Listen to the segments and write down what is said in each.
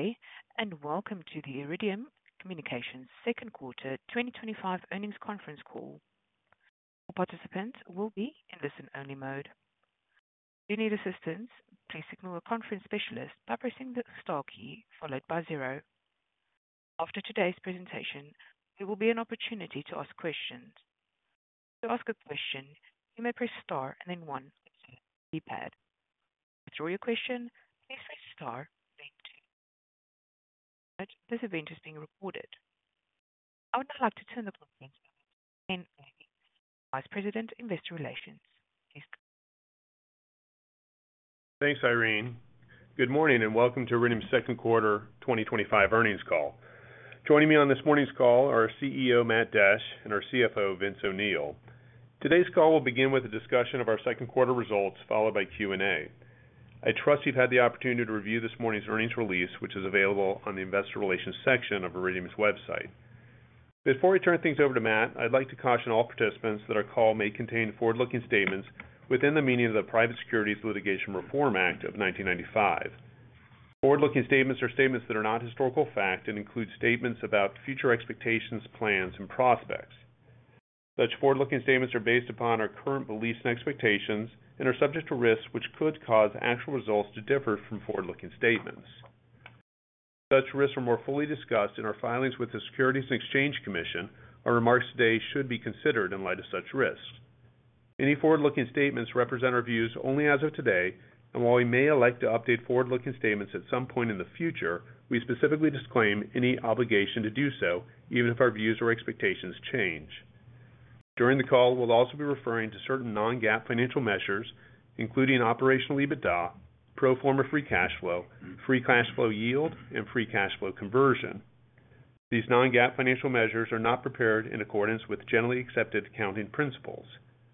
Day, and welcome to the Iridium Communications Second Quarter twenty twenty five Earnings Conference Call. All participants will be in listen only mode. After today's presentation, there will be an opportunity to ask questions. To ask a question, you may press star and then one keypad. To draw your question, please press then 2. This event is being recorded. I would now like to turn the conference over to Ken Avey, vice president, investor relations. Go Thanks, Irene. Good morning, and welcome to Renium's second quarter twenty twenty five earnings call. Joining me on this morning's call are our CEO, Matt Dash and our CFO, Vince O'Neill. Today's call will begin with a discussion of our second quarter results followed by Q and A. I trust you've had the opportunity to review this morning's earnings release, which is available on the Investor Relations section of Iridium's website. Before we turn things over to Matt, I'd like to caution all participants that our call may contain forward looking statements within the meaning of the Private Securities Litigation Reform Act of 1995. Forward looking statements are statements that are not historical fact and include statements about future expectations, plans, prospects. Such forward looking statements are based upon our current beliefs and expectations and are subject to risks, which could cause actual results to differ from forward looking statements. Such risks are more fully discussed in our filings with the Securities and Exchange Commission. Our remarks today should be considered in light of such risks. Any forward looking statements represent our views only as of today. And while we may elect to update forward looking statements at some point in the future, we specifically disclaim any obligation to do so even if our views or expectations change. During the call, we'll also be referring to certain non GAAP financial measures, including operational EBITDA, pro form a free cash flow, free cash flow yield, and free cash flow conversion. These non GAAP financial measures are not prepared in accordance with generally accepted accounting principles.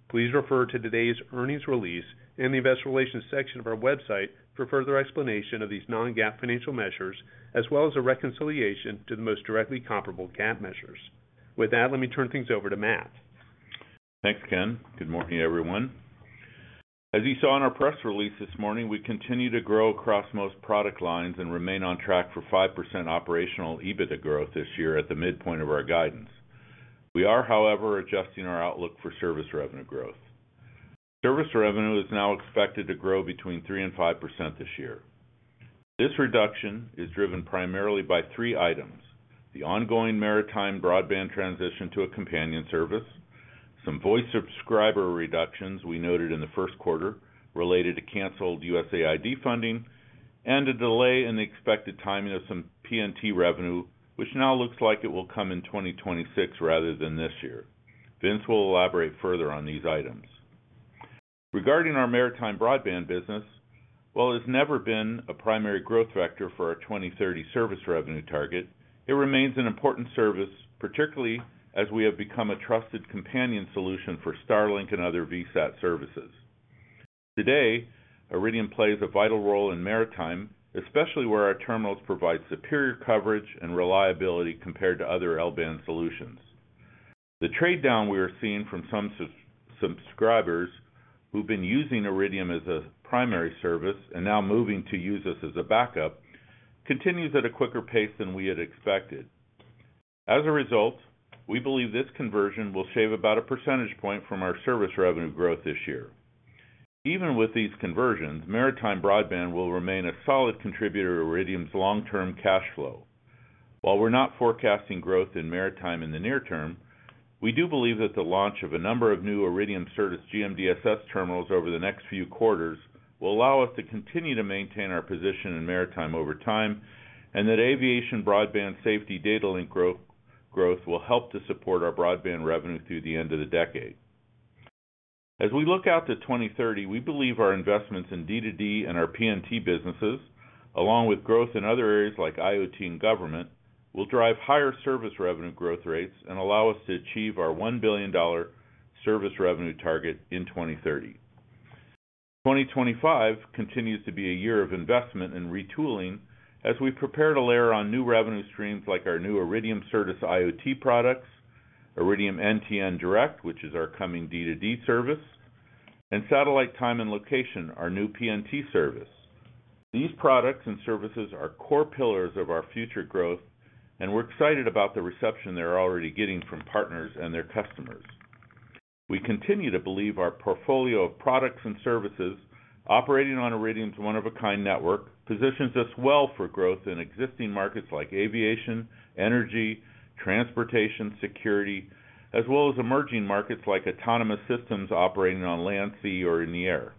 Please refer to today's earnings release in the Investor Relations section of our website for further explanation of these non GAAP financial measures, as well as a reconciliation to the most directly comparable GAAP measures. With that, let me turn things over to Matt. Thanks, Ken. Good morning, everyone. As you saw in our press release this morning, we continue to grow across most product lines and remain on track for 5% operational EBITDA growth this year at the midpoint of our guidance. We are, however, adjusting our outlook for service revenue growth. Service revenue is now expected to grow between 35% this year. This reduction is driven primarily by three items: the ongoing maritime broadband transition to a companion service some voice subscriber reductions we noted in the first quarter related to canceled USAID funding, and a delay in the expected timing of some PNT revenue, which now looks like it will come in 2026 rather than this year. Vince will elaborate further on these items. Regarding our maritime broadband business, while it has never been a primary growth vector for our 2030 service revenue target, it remains an important service, particularly as we have become a trusted companion for Starlink and other VSAT services. Today, Iridium plays a vital role in maritime, especially where our terminals provide superior coverage and reliability compared to other L band solutions. The trade down we are seeing from some subscribers who have been using Iridium as a primary service and now moving to use us as a backup continues at a quicker pace than we had expected. As a result, we believe this conversion will shave about a percentage point from our service revenue growth this year. Even with these conversions, maritime broadband will remain a solid contributor to Iridium's long term cash flow. While we're not forecasting growth in maritime in the near term, we do believe that the launch of a number of new Iridium Certus GMDSS terminals over the next few quarters will allow us to continue to maintain our position in maritime time and that aviation broadband safety data link growth will help to support our broadband revenue through the end of the decade. As we look out to 02/1930, we believe our investments in D2D and our P and T businesses, along with growth in other areas like IoT and government, will drive higher service revenue growth rates and allow us to achieve our $1,000,000,000 service revenue target in 02/1930. 2025 continues to be a year of investment and retooling as we prepare to layer on new revenue streams like our new Iridium Certus IoT products, Iridium NTN Direct, which is our coming D2D service, and Satellite Time and Location, our new PNT service. These products and services are core pillars of our future growth, and we're excited about the reception they're already getting from partners and their customers. We continue to believe our portfolio of products and services operating on Iridium's one of a kind network positions us well for growth in existing markets like aviation, energy, transportation, security, as well as emerging markets like autonomous systems operating on land, sea, or in the air.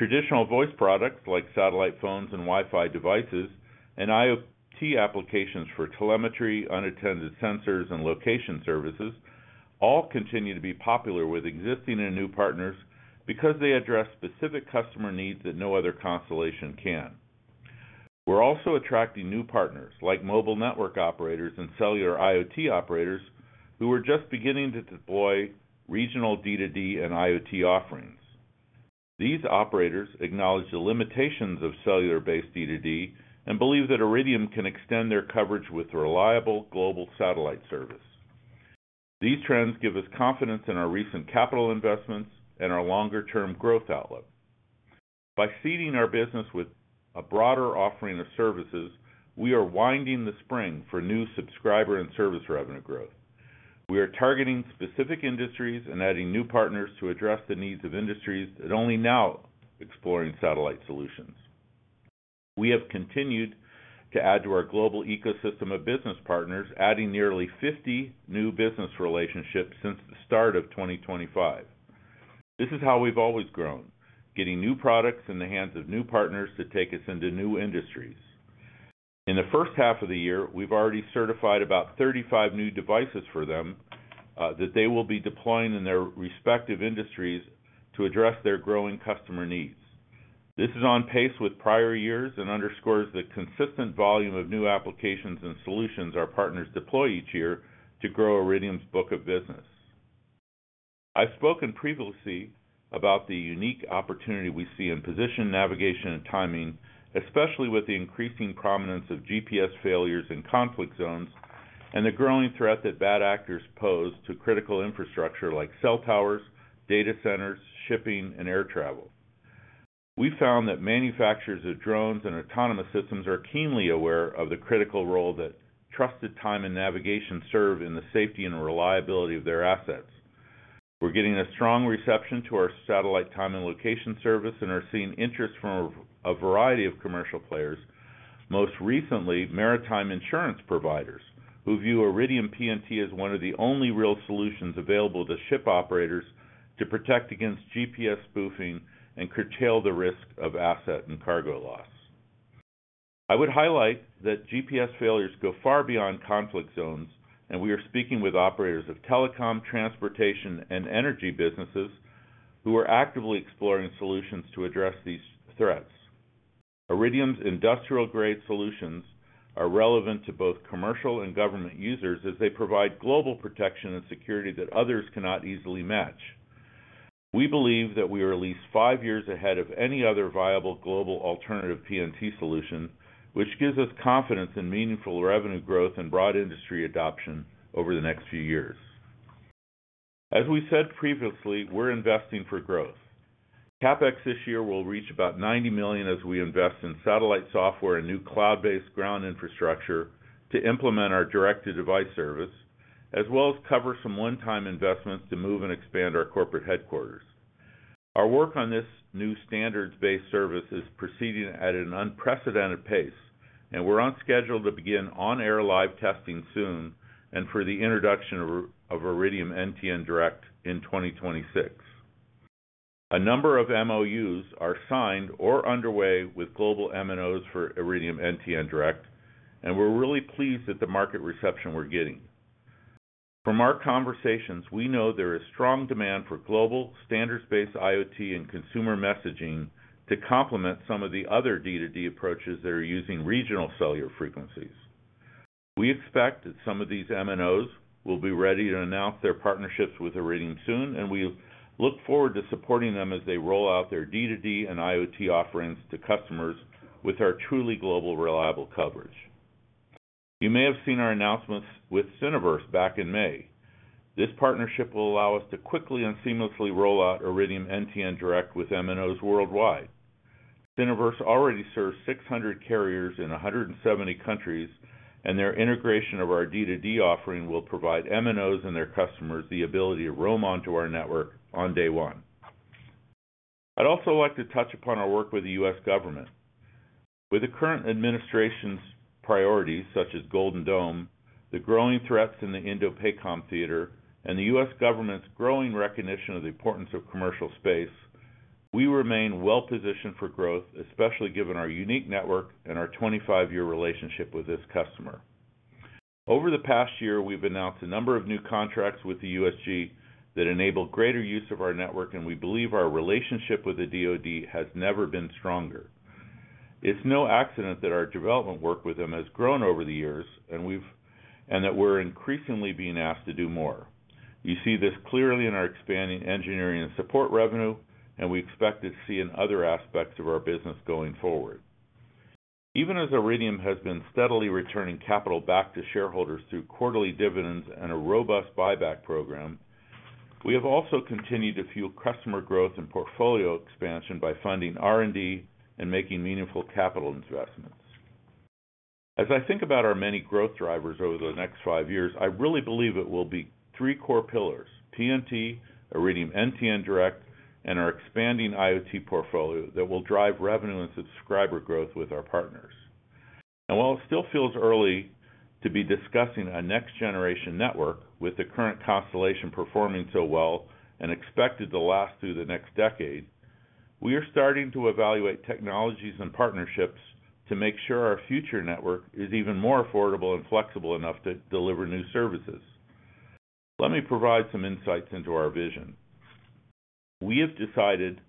Traditional voice products like satellite phones and Wi Fi devices and IoT applications for telemetry, unattended sensors, and location services all continue to be popular with existing and new partners because they address specific customer needs that no other constellation can. We are also attracting new partners, like mobile network operators and cellular IoT operators, who are just beginning to deploy regional D2D and IoT offerings. These operators acknowledge the limitations of cellular based D2D and believe that Iridium can extend their coverage with reliable global satellite service. These trends give us confidence in our recent capital investments and our longer term growth outlook. By seeding our business with a broader offering of services, we are winding the spring for new subscriber and service revenue growth. We are targeting specific industries and adding new partners to address the needs of industries that are only now exploring satellite solutions. We have continued to add to our global ecosystem of business partners, adding nearly 50 new business relationships since the start of 2025. This is how we've always grown, getting new products in the hands of new partners to take us into new industries. In the first half of the year, we've already certified about 35 new devices for them that they will be deploying in their respective industries to address their growing customer needs. This is on pace with prior years and underscores the consistent volume of new applications and solutions our partners deploy each year to grow Iridium's book of business. I've spoken previously about the unique opportunity we see in position, navigation and timing, especially with the increasing prominence of GPS failures in conflict zones and the growing threat that bad actors pose to critical infrastructure like cell towers, data centers, shipping and air travel. We found that manufacturers of drones and autonomous systems are keenly aware of the critical role that trusted time and navigation serve in the safety and reliability of their assets. We're getting a strong reception to our satellite time and location service and are seeing interest from a variety of commercial players, most recently maritime insurance providers who view Iridium PNT as one of the only real solutions available to ship operators to protect against GPS spoofing and curtail the risk of asset and cargo loss. I would highlight that GPS failures go far beyond conflict zones, and we are speaking with operators of telecom, transportation, and energy businesses who are actively exploring solutions to address these threats. Iridium's industrial grade solutions are relevant to both commercial and government users as they provide global protection and security that others cannot easily match. We believe that we are at least five years ahead of any other viable global alternative PNT solution, which gives us confidence in meaningful revenue growth and broad industry adoption over the next few years. As we said previously, we are investing for growth. CapEx this year will reach about $90,000,000 as we invest in satellite software and new cloud based ground infrastructure to implement our direct to device service, as well as cover some one time investments to move and expand our corporate headquarters. Our work on this new standards based service is proceeding at an unprecedented pace, and we are on schedule to begin on air live testing soon and for the introduction of Iridium NTN Direct in 2026. A number of MOUs are signed or underway with global MNOs for Iridium NTN Direct, and we are really pleased with the market reception we are getting. From our conversations, we know there is strong demand for global, standards based IoT and consumer messaging to complement some of the other D2D approaches that are using regional cellular frequencies. We expect that some of these MNOs will be ready to announce their partnerships with Aurigon soon, and we look forward to supporting them as they roll out their D2D and IoT offerings to customers with our truly global reliable coverage. You may have seen our announcements with Synaverse back in May. This partnership will allow us to quickly and seamlessly roll out Iridium NTN Direct with MNOs worldwide. Synaverse already serves 600 carriers in 170 countries, and their integration of our D2D offering will provide MNOs and their customers the ability to roam onto our network on day one. I'd also like to touch upon our work with the U. S. Government. With the current administration's priorities such as Golden Dome, the growing threats in the INDOPACOM theater, and The U. S. Government's growing recognition of the importance of commercial space, we remain well positioned for growth, especially given our unique network and our twenty five year relationship with this customer. Over the past year, we've announced a number of new contracts with the USG that enable greater use of our network and we believe our relationship with the DoD has never been stronger. It's no accident that our development work with them has grown over the years and that we are increasingly being asked to do more. You see this clearly in our expanding engineering and support revenue, and we expect to see in other aspects of our business going forward. Even as Iridium has been steadily returning capital back to shareholders through quarterly dividends and a robust buyback program, we have also continued to fuel customer growth and portfolio expansion by funding R and D and making meaningful capital investments. As I think about our many growth drivers over the next five years, I really believe it will be three core pillars: TMT, Iridium NTN Direct, and our expanding IoT portfolio that will drive revenue and subscriber growth with our partners. And while it still feels early to be discussing a next generation network with the current constellation performing so well and expected to last through the next decade, we are starting to evaluate technologies partnerships to make sure our future network is even more affordable and flexible enough to deliver new services. Let me provide some insights into our vision. We have decided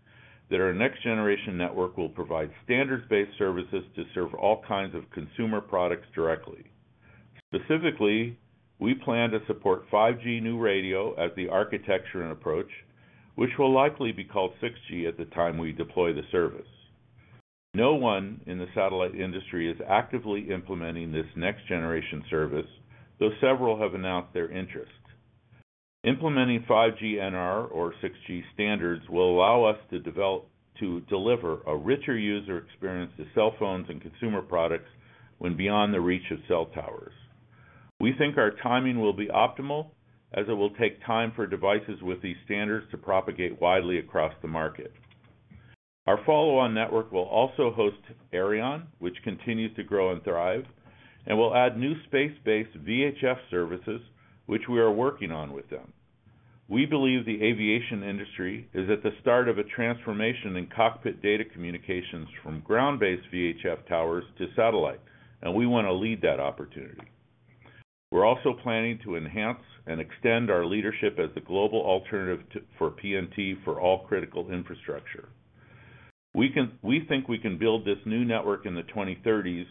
that our next generation will provide standards based services to serve all kinds of consumer products directly. Specifically, we plan to support five gs new radio as the architecture and approach, which will likely be called six gs at the time we deploy the service. No one in the satellite industry is actively implementing this next generation service, though several have announced their interest. Implementing five gs NR or six gs standards will allow us to deliver a richer user experience to cell phones and consumer products when beyond the reach of cell towers. We think our timing will be optimal as it will take time for devices with these standards to propagate widely across the market. Our follow on network will also host Aireon, which continues to grow and thrive, and will add new space based VHF services, which we are working on with them. We believe the aviation industry is at the start of a transformation in cockpit data communications from ground based VHF towers to satellite, and we want to lead that opportunity. We're also planning to enhance and extend our leadership as the global alternative for PNT for all critical infrastructure. We think we can build this new network in the 2030s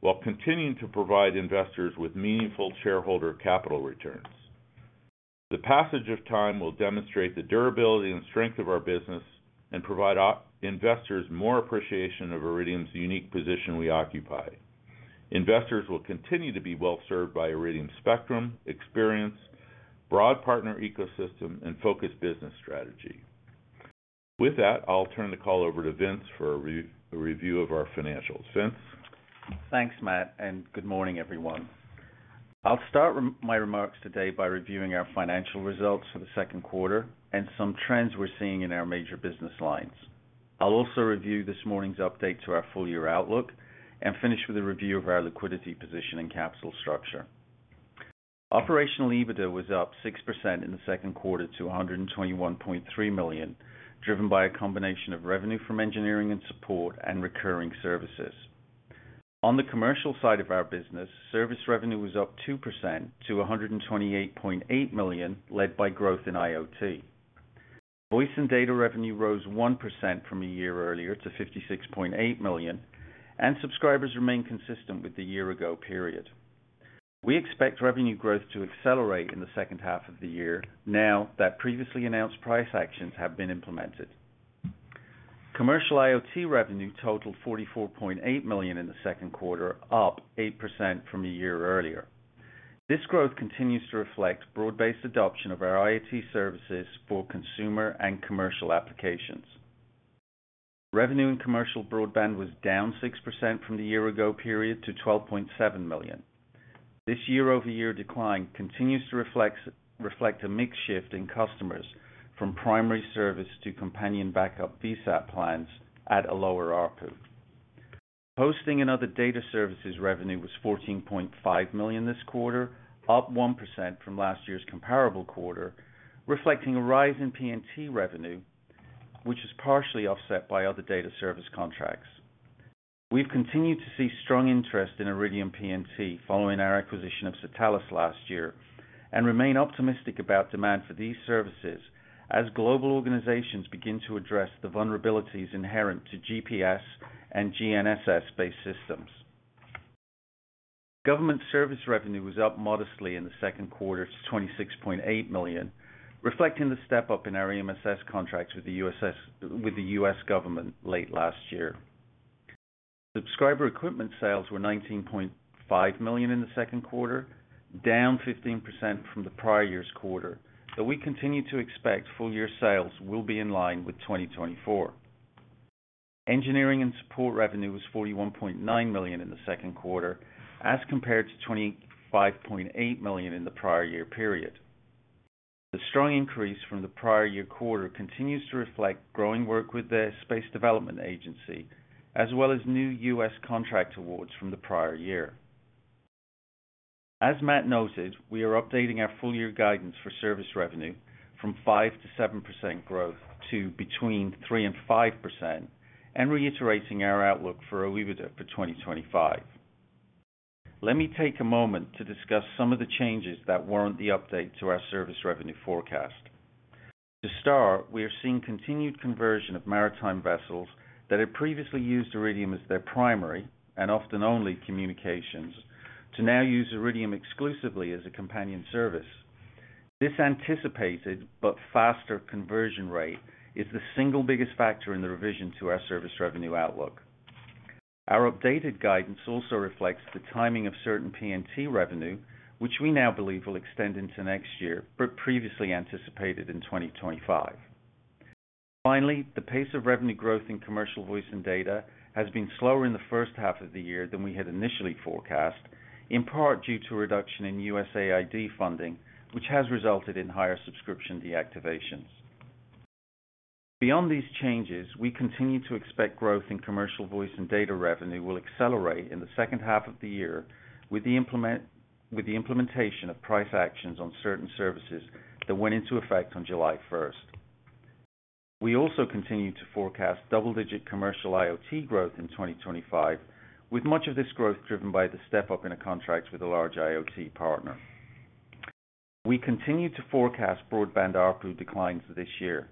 while continuing to provide investors with meaningful shareholder capital returns. The passage of time will demonstrate the durability and strength of our business and provide investors more appreciation of Iridium's unique position we occupy. Investors will continue to be well served by Iridium's spectrum, experience, broad partner ecosystem and focused business strategy. With that, I'll turn the call over to Vince for a review of our financials. Vince? Thanks, Matt, and good morning, everyone. I'll start my remarks today by reviewing our financial results for the second quarter and some trends we're seeing in our major lines. I'll also review this morning's update to our full year outlook and finish with a review of our liquidity position and capital structure. Operational EBITDA was up 6% in the second quarter to $121,300,000 driven by a combination of revenue from engineering and support and recurring services. On the commercial side of our business, service revenue was up 2% to 128,800,000.0 led by growth in IoT. Voice and data revenue rose 1% from a year earlier to $56,800,000 and subscribers remained consistent with the year ago period. We expect revenue growth to accelerate in second half of the year now that previously announced price actions have been implemented. Commercial IoT revenue totaled $44,800,000 in the second quarter, up 8% from a year earlier. This growth continues to reflect broad based adoption of our IoT services for consumer and commercial applications. Revenue in commercial broadband was down 6% from the year ago period to $12,700,000 This year over year decline continues to reflect a mix shift in customers from primary service to companion backup VSAT plans at a lower ARPU. Posting and other data services revenue was 14,500,000.0 this quarter, up 1% from last year's comparable quarter, reflecting a rise in P and T revenue, which is partially offset by other data service contracts. We've continued to see strong interest in Iridium P and T following our acquisition of last year and remain optimistic about demand for these services as global organizations begin to address the vulnerabilities inherent to GPS and GNSS based systems. Government service revenue was up modestly in the second quarter to $26,800,000 reflecting the step up in our EMSS contracts with the U. S. Government late last year. Subscriber equipment sales were $19,500,000 in the second quarter, down 15% from the prior year's quarter, though we continue to expect full year sales will be in line with 2024. Engineering and support revenue was $41,900,000 in the second quarter as compared to $25,800,000 in the prior year period. The strong increase from the prior year quarter continues to reflect growing work with the space development agency as well as new U. S. Contract awards from the prior year. As Matt noted, we are updating our full year guidance for service revenue from 5% to 7% growth to between 3% and reiterating our outlook for OIBDA for 2025. Let me take a moment to discuss some of the changes that warrant the update to our service revenue forecast. To start, we are seeing continued conversion of maritime vessels that had previously used Iridium as their primary and often only communications to now use Iridium exclusively as a companion service. This anticipated but faster conversion rate is the single biggest factor in the revision to our service revenue outlook. Our updated guidance also reflects the timing of certain P and T revenue, which we now believe will extend into next year, but previously anticipated in 2025. Finally, the pace of revenue growth in Commercial Voice and Data has been slower in the first half of the year than we had initially forecast, in part due to a reduction in USAID funding, which has resulted in higher subscription deactivations. Beyond these changes, we continue to expect growth in commercial voice and data revenue will accelerate in the second half of the year with the implementation of price actions on certain services that went into effect on July 1. We also continue to forecast double digit commercial IoT growth in 2025, with much of this growth driven by the step up in a contract with a large IoT partner. We continue to forecast broadband ARPU declines this year.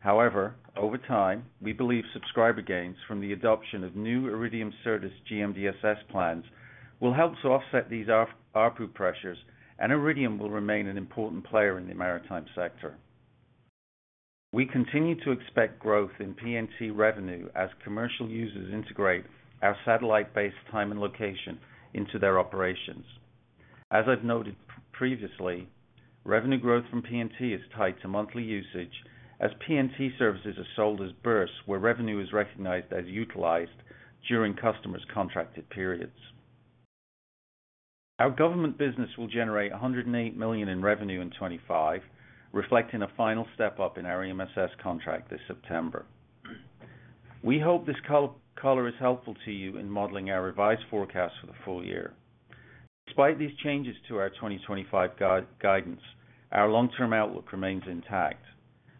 However, over time, we believe subscriber gains from the adoption of new Iridium Certus GMDSS plans will help to offset these ARPU pressures and Iridium will remain an important player in the maritime sector. We continue to expect growth in PNT revenue as commercial users integrate our satellite based time and location into their operations. As I've noted previously, revenue growth from P and T is tied to monthly usage as P and T services are sold as Burs where revenue is recognized as utilized during customers' contracted periods. Our government business will generate $108,000,000 in revenue in 2025, reflecting a final step up in our EMSS contract this September. We hope this color is helpful to you in modeling our revised forecast for the full year. Despite these changes to our 2025 guidance, our long term outlook remains intact.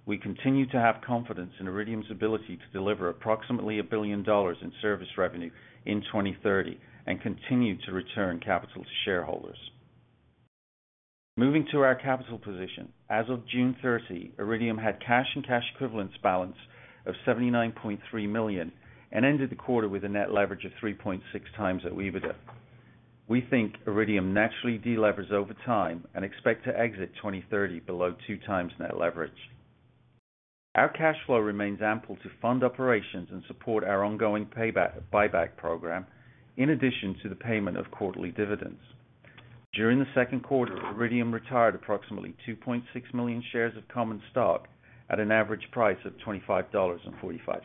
We continue to have confidence in Iridium's ability to deliver approximately $1,000,000,000 in service revenue in 2030 and continue to return capital to shareholders. Moving to our capital position. As of June 30, Iridium had cash and cash equivalents balance of $79,300,000 and ended the quarter with a net leverage of 3.6 times OIBDA. We think Iridium naturally de levers over time and expect to exit 2030 below two times net leverage. Our cash flow remains ample to fund operations and support our ongoing payback program in addition to the payment of quarterly dividends. During the second quarter, Iridium retired approximately 2,600,000 shares of common stock at an average price of $25.45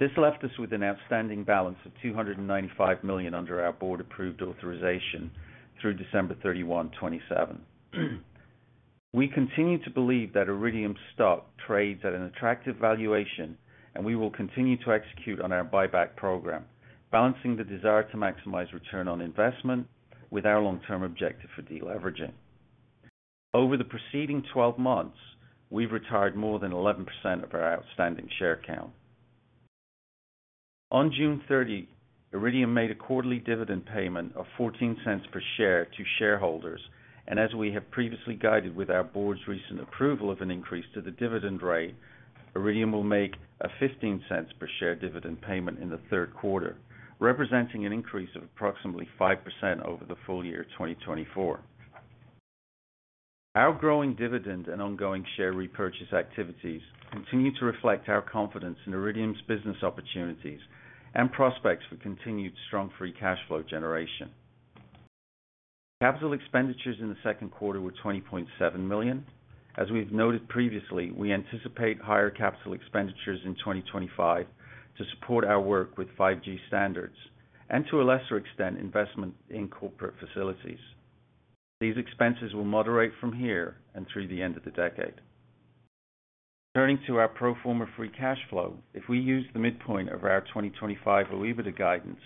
This left us with an outstanding balance of $295,000,000 under our Board approved authorization 12/31/2027. We continue to believe that Iridium stock trades at an attractive valuation and we will continue to execute on our buyback program, balancing the desire to maximize return on investment with our long term objective for deleveraging. Over the preceding twelve months, we have retired more than 11% of our outstanding share count. On June 30, Iridium made a quarterly dividend payment of $0.14 per share to shareholders and as we have previously guided with our Board's recent approval of an increase to the dividend rate, Iridium will make a $0.15 per share dividend payment in the third quarter, representing an increase of approximately 5% over the full year 2024. Our growing dividend and ongoing share repurchase activities continue to reflect our confidence in Iridium's business opportunities and prospects for continued strong free cash flow generation. Capital expenditures in the second quarter were $20,700,000 As we've noted previously, we anticipate higher capital expenditures in 2025 to support our work with five gs standards and to a lesser extent investment in corporate facilities. These expenses will moderate from here and through the end of the decade. Turning to our pro form a free cash flow, if we use the midpoint of our 2025 OIBDA guidance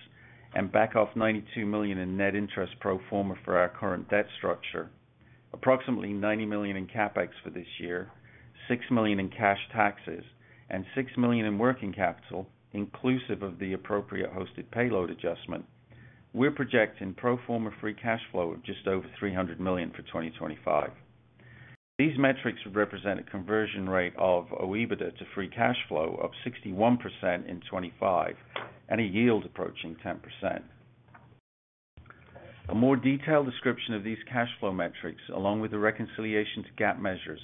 and back off $92,000,000 in net interest pro form a for our current debt structure, approximately $90,000,000 in CapEx for this year, dollars 6,000,000 in cash taxes and $6,000,000 in working capital, inclusive of the appropriate hosted payload adjustment, we are projecting pro form a free cash flow of just over $300,000,000 for 2025. These metrics represent a conversion rate of OEBITDA to free cash flow of 61% in 2025 and a yield approaching 10%. A more detailed description of these cash flow metrics, along with a reconciliation to GAAP measures,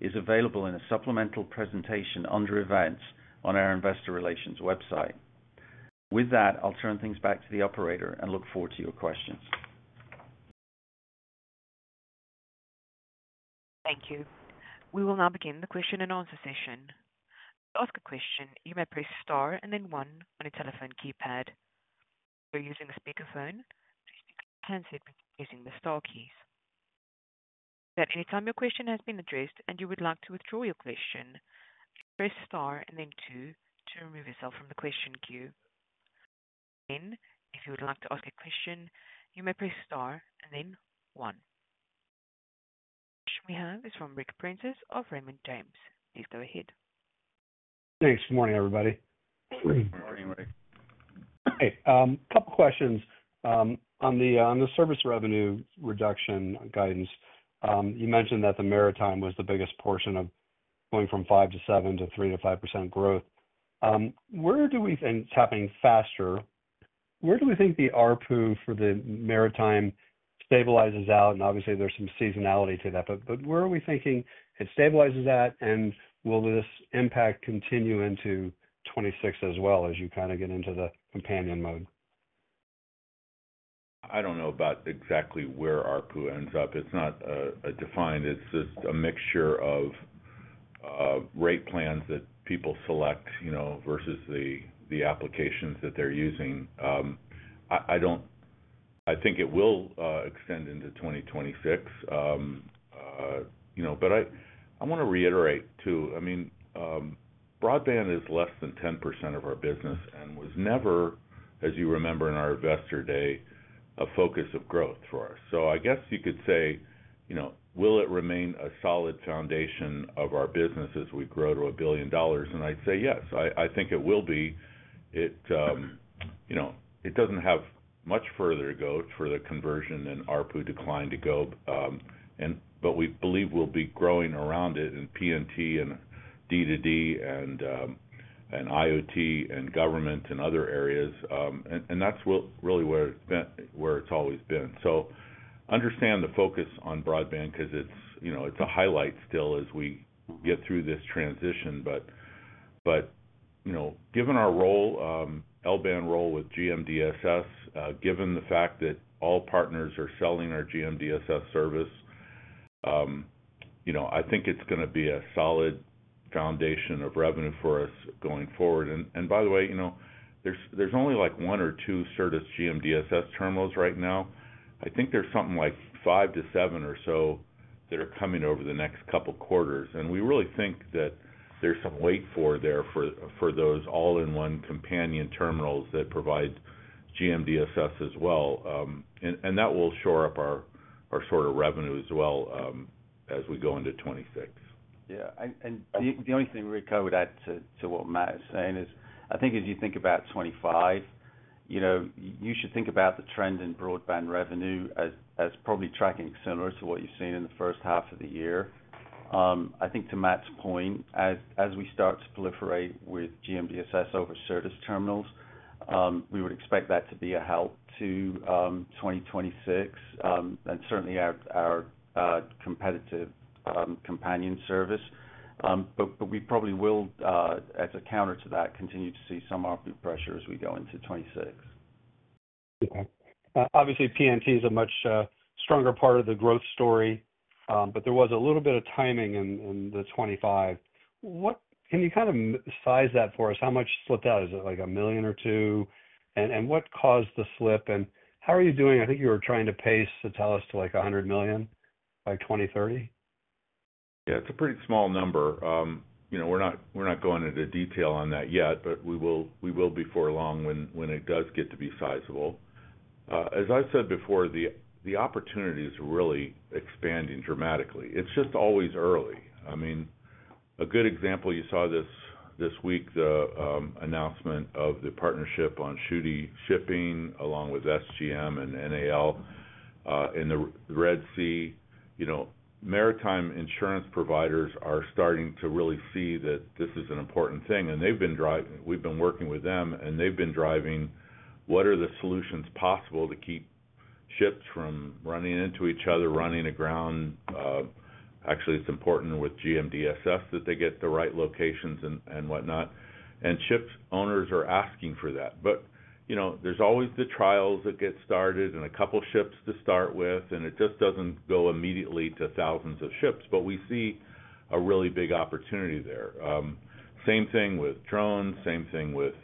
is available in a supplemental presentation under Events on our Investor Relations website. With that, I'll turn things back to the operator and look forward to your questions. Thank you. We will now begin the question and answer session. A question, you may press star and then one on a telephone keypad. If you're using a speakerphone, please be answered by using the star keys. At any time your question has been addressed and you would like to withdraw your question, press star and then 2 to remove yourself from the question queue. And if you would like to ask a question, you may press star and then one. We have is from Rick Prentiss of Raymond James. Please go ahead. Thanks. Good morning, everybody. Hey. Good morning, Rick. Hey. Couple of questions. On the on the service revenue reduction guidance, you mentioned that the Maritime was the biggest portion of going from five to seven to three to 5% growth. Where do we think it's happening faster? Where do we think the ARPU for the Maritime stabilizes out? And obviously, there's some seasonality to that, but where are we thinking it stabilizes that? And will this impact continue into '26 as well as you kind of get into the companion mode? I don't know about exactly where ARPU ends up. It's not defined. It's just a mixture of rate plans that people select versus the applications that they're using. I think it will extend into 2026, But I want to reiterate too, I mean, broadband is less than 10% of our business and was never, as you remember in our Investor Day, a focus of growth for us. So I guess you could say, will it remain a solid foundation of our business as we grow to a billion dollars? And I'd say, yes, I think it will be. It doesn't have much further to go for the conversion and ARPU decline to go. But we believe we'll be growing around it in P and T and D to D and IoT and government and other areas. That's really where it's always been. So understand the focus on broadband because it's a highlight still as we get through this transition. Given our L band role with GMDSS, given the fact that all partners are selling our GMDSS service, I think it's gonna be a solid foundation of revenue for us going forward. And by the way, there's only like one or two Certus GMDSS terminals right now. I think there's something like five to seven or so that are coming over the next couple of quarters. And we really think that there's some weight for there for those all in one companion terminals that provide GMDSS as well. And that will shore up our sort of revenue as well as we go into 'twenty six. Yeah, and the only thing Rick I would add to what Matt is saying is, I think as you think about '25, you should think about the trend in broadband revenue as probably tracking similar to what you've seen in the first half of the year. I think to Matt's point, as we start to proliferate with g m d s s over service terminals, we would expect that to be a help to, 2026, and certainly our competitive, companion service. But we probably will, as a counter to see some ARPU pressure as we go into 2026. Okay. Obviously, P and T is a much stronger part of the growth story, but there was a little bit of timing in the '25. What can you kind of size that for us? How much slipped out? Is it like a million or two? And what caused the slip? And how are you doing? I think you were trying to pace to tell us to like a 100,000,000 by 02/1930? Yeah, it's a pretty small number. We're not going into detail on that yet, but we will before long when it does get to be sizable. As I've said before, the opportunity is really expanding It's just always early. I mean, a good example you saw this week, the announcement of the partnership on shooting shipping along with SGM and NAL in the Red Sea, maritime insurance providers are starting to really see that this is an important thing and they've been driving. We've been working with them and they've been driving what are the solutions possible to keep ships from running into each other, running aground? Actually it's important with GMDSS that they get the right locations and whatnot. And ships owners are asking for that. But there's always the trials that get started and a couple ships to start with, and it just doesn't go immediately to thousands of ships, but we see a really big opportunity there. Same thing with drones, same thing with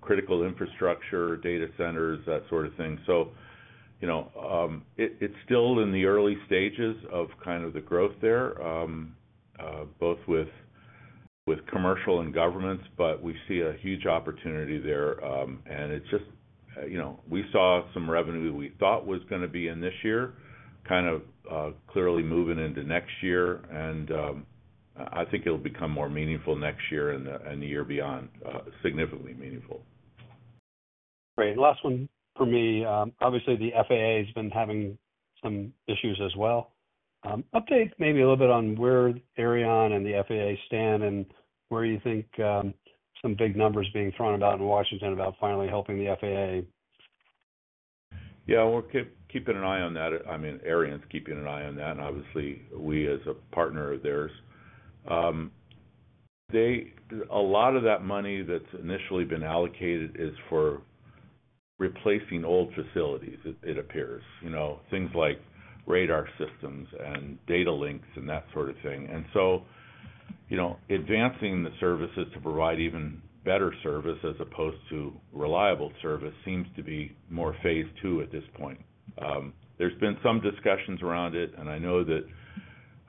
critical infrastructure, data centers, that sort of thing. So it's still in the early stages of kind of the growth there, both with commercial and governments, opportunity there. And it's just, we saw some revenue that we thought was gonna be in this year, kind of clearly moving into next year. And I think it'll become more meaningful next year and the year beyond significantly meaningful. Great. Last one for me. Obviously, the FAA has been having some issues as well. Update maybe a little bit on where area on and the FAA stand and where you think some big numbers being thrown about in Washington about finally helping the FAA? Yeah, we're keeping an eye on that. I mean, Arian's keeping an eye on that. And obviously we as a partner of theirs, a lot of that money that's initially been allocated is for replacing old facilities, it appears. Things like radar systems and data links and that sort of thing. And advancing the services to provide even better service as opposed to reliable service seems to be more phase two at this point. There's been some discussions around it and I know that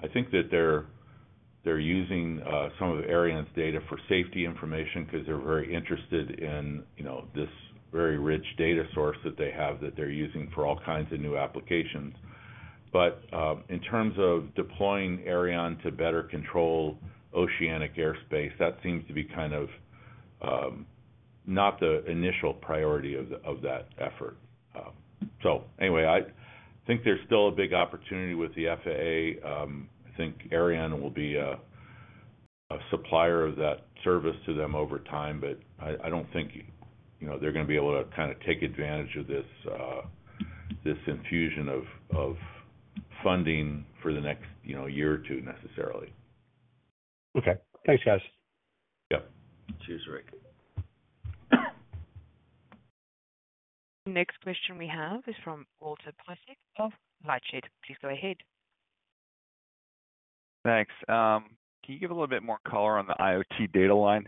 I think that they're using some of data for safety information because they're very interested in this very rich data source that they have that they're using for all kinds of new applications. But in terms of deploying Aireon to better control oceanic airspace, that seems to be kind of not the initial priority of that effort. So anyway, I think there's still a big opportunity with the FAA. I think Ariana will be a supplier of that service to them over time, but don't think they're gonna be able to kind of take advantage of this infusion of funding for the next year or two necessarily. Okay. Thanks, guys. Yep. Cheers, Rick. Next question we have is from Walter Prasik of LightShed. Please go ahead. Thanks. Can you give a little bit more color on the IoT data line?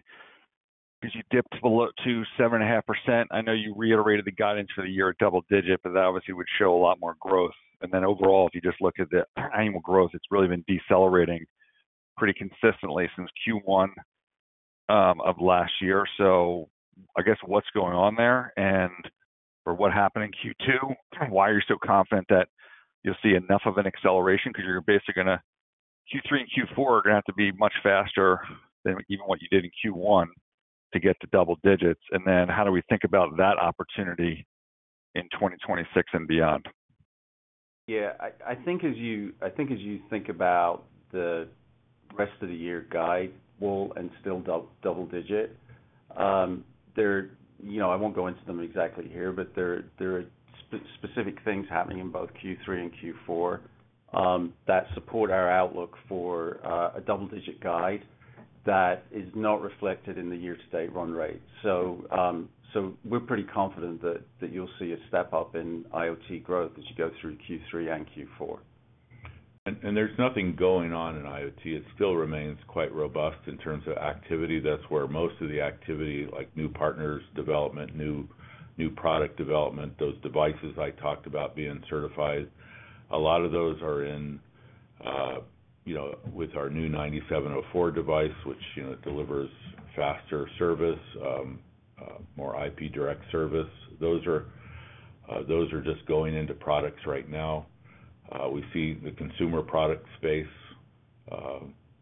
Did you dip below to seven and a half percent? I know you reiterated the guidance for the year double digit, but that obviously would show a lot more growth. And then overall, if you just look at the annual growth, it's really been decelerating pretty consistently since q one of last year. So I guess what's going on there and or what happened in q two? Why are you so confident that you'll see enough of an acceleration? Because you're basically gonna q three and q four are gonna have to be much faster than even what you did in q one to get to double digits? And then how do we think about that opportunity in 2026 and beyond? Yeah. I I think as you I think as you think about the rest of the year guide, we'll and still double double digit. I won't go into them exactly here, but there specific things happening in both Q3 and Q4 that support our outlook for a double digit guide that is not reflected in the year to date run rate. So we're pretty confident that you'll see a step up in IoT growth as you go through Q3 and Q4. And there's nothing going on in IoT. It still remains quite robust in terms of activity. That's where most of the activity like new partners development, new product development, those devices I talked about being certified. A lot of those are in with our new 9,704 device which delivers faster service, more IP direct service. Those are just going into products right now. We see the consumer product space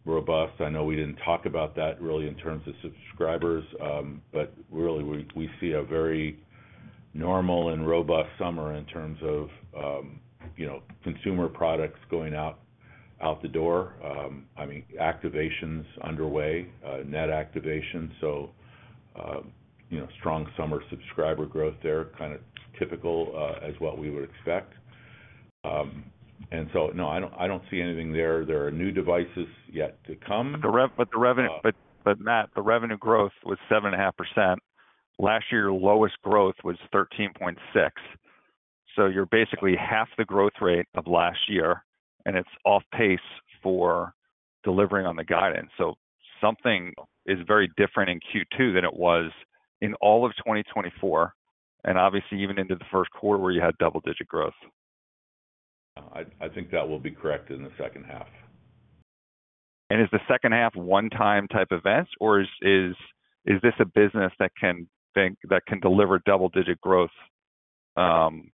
robust. I know we didn't talk about that really in terms of subscribers, but really we see a very normal and robust summer in terms of consumer products going out the door. I mean, activations underway, net activation. So strong summer subscriber growth there, kind of typical as what we would expect. And so, no, see anything there. There are new devices yet to come. But Matt, the revenue growth was 7.5%. Last year, your lowest growth was 13.6. So you're basically half the growth rate of last year, and it's off pace for delivering on the guidance. So something is very different in q two than it was in all of 2024, and obviously even into the first quarter where you had double digit growth. I think that will be correct in the second half. And is the second half one time type events? Or is this a business that can deliver double digit growth going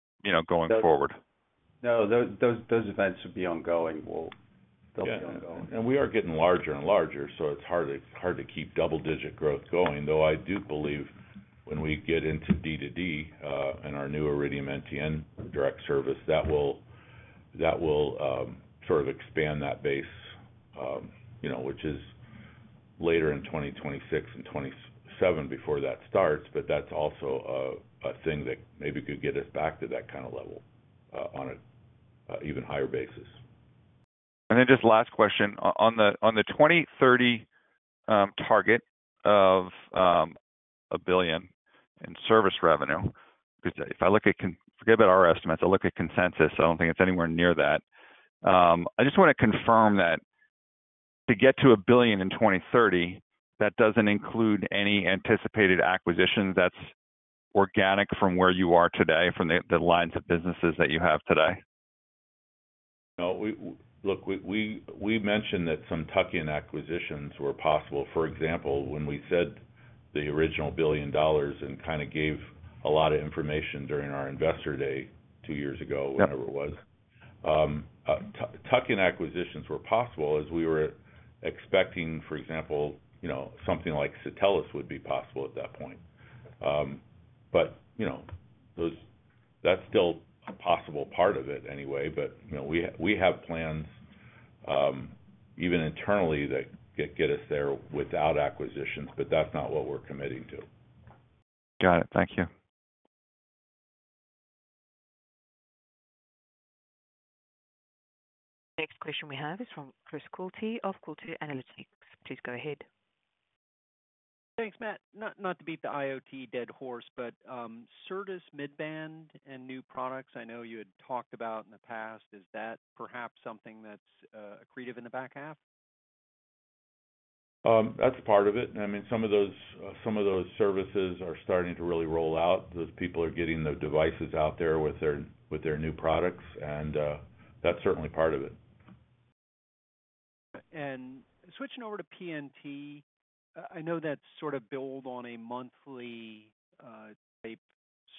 forward? No, those events would be ongoing. And we are getting larger and larger, so it's hard to keep double digit growth going, though I do believe when we get into D2D and our new Iridium NTN direct service that will sort of expand that base, which is later in 2026 and '27 before that starts, but that's also a thing that maybe could get us back to that kind of level on an even higher basis. And then just last question on the 2030 target of a billion in service revenue, if I look at Forget about our estimates, I look at consensus, I don't think it's anywhere near that. I just wanna confirm that to get to a billion in 02/1930, that doesn't include any anticipated acquisitions that's organic from where you are today from the lines of businesses that you have today? No, look, we mentioned that some tuck in acquisitions were possible. For example, when we said the original billion dollars and kind of gave a lot of information during our Investor Day two years ago, whatever Tuck it in acquisitions were possible as we were expecting, for example, something like Satellis would be possible at that point. But that's still a possible part of it anyway, but we have plans even internally that get us there without acquisitions, but that's not what we're committing to. Got it, thank you. Next question we have is from Chris Coulty of Coulty Analytics. Please go ahead. Thanks, Matt. Not not to beat the IoT dead horse, but, Certus mid band and new products, I know you had talked about in the past, is that perhaps something that's accretive in the back half? That's part of it. Some of those services are starting to really roll out. Those people are getting the devices out there with their new products, and that's certainly part of it. And switching over to PNT, I know that's sort of billed on a monthly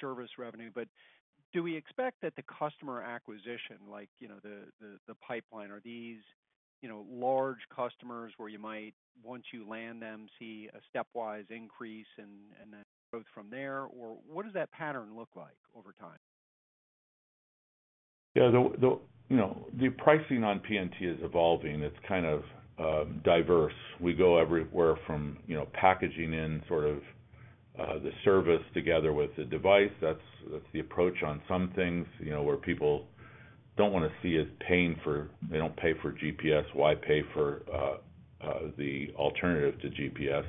service revenue, but do we expect that the customer acquisition like the pipeline, are these large customers where you might, once you land them, see a stepwise increase and then growth from there? Or what does that pattern look like over time? The pricing on PNT is evolving, it's kind of diverse. We go everywhere from packaging in sort of the service together with the device, that's the approach on some things where people don't want to see us paying for, they don't pay for GPS, why pay for the alternative to GPS?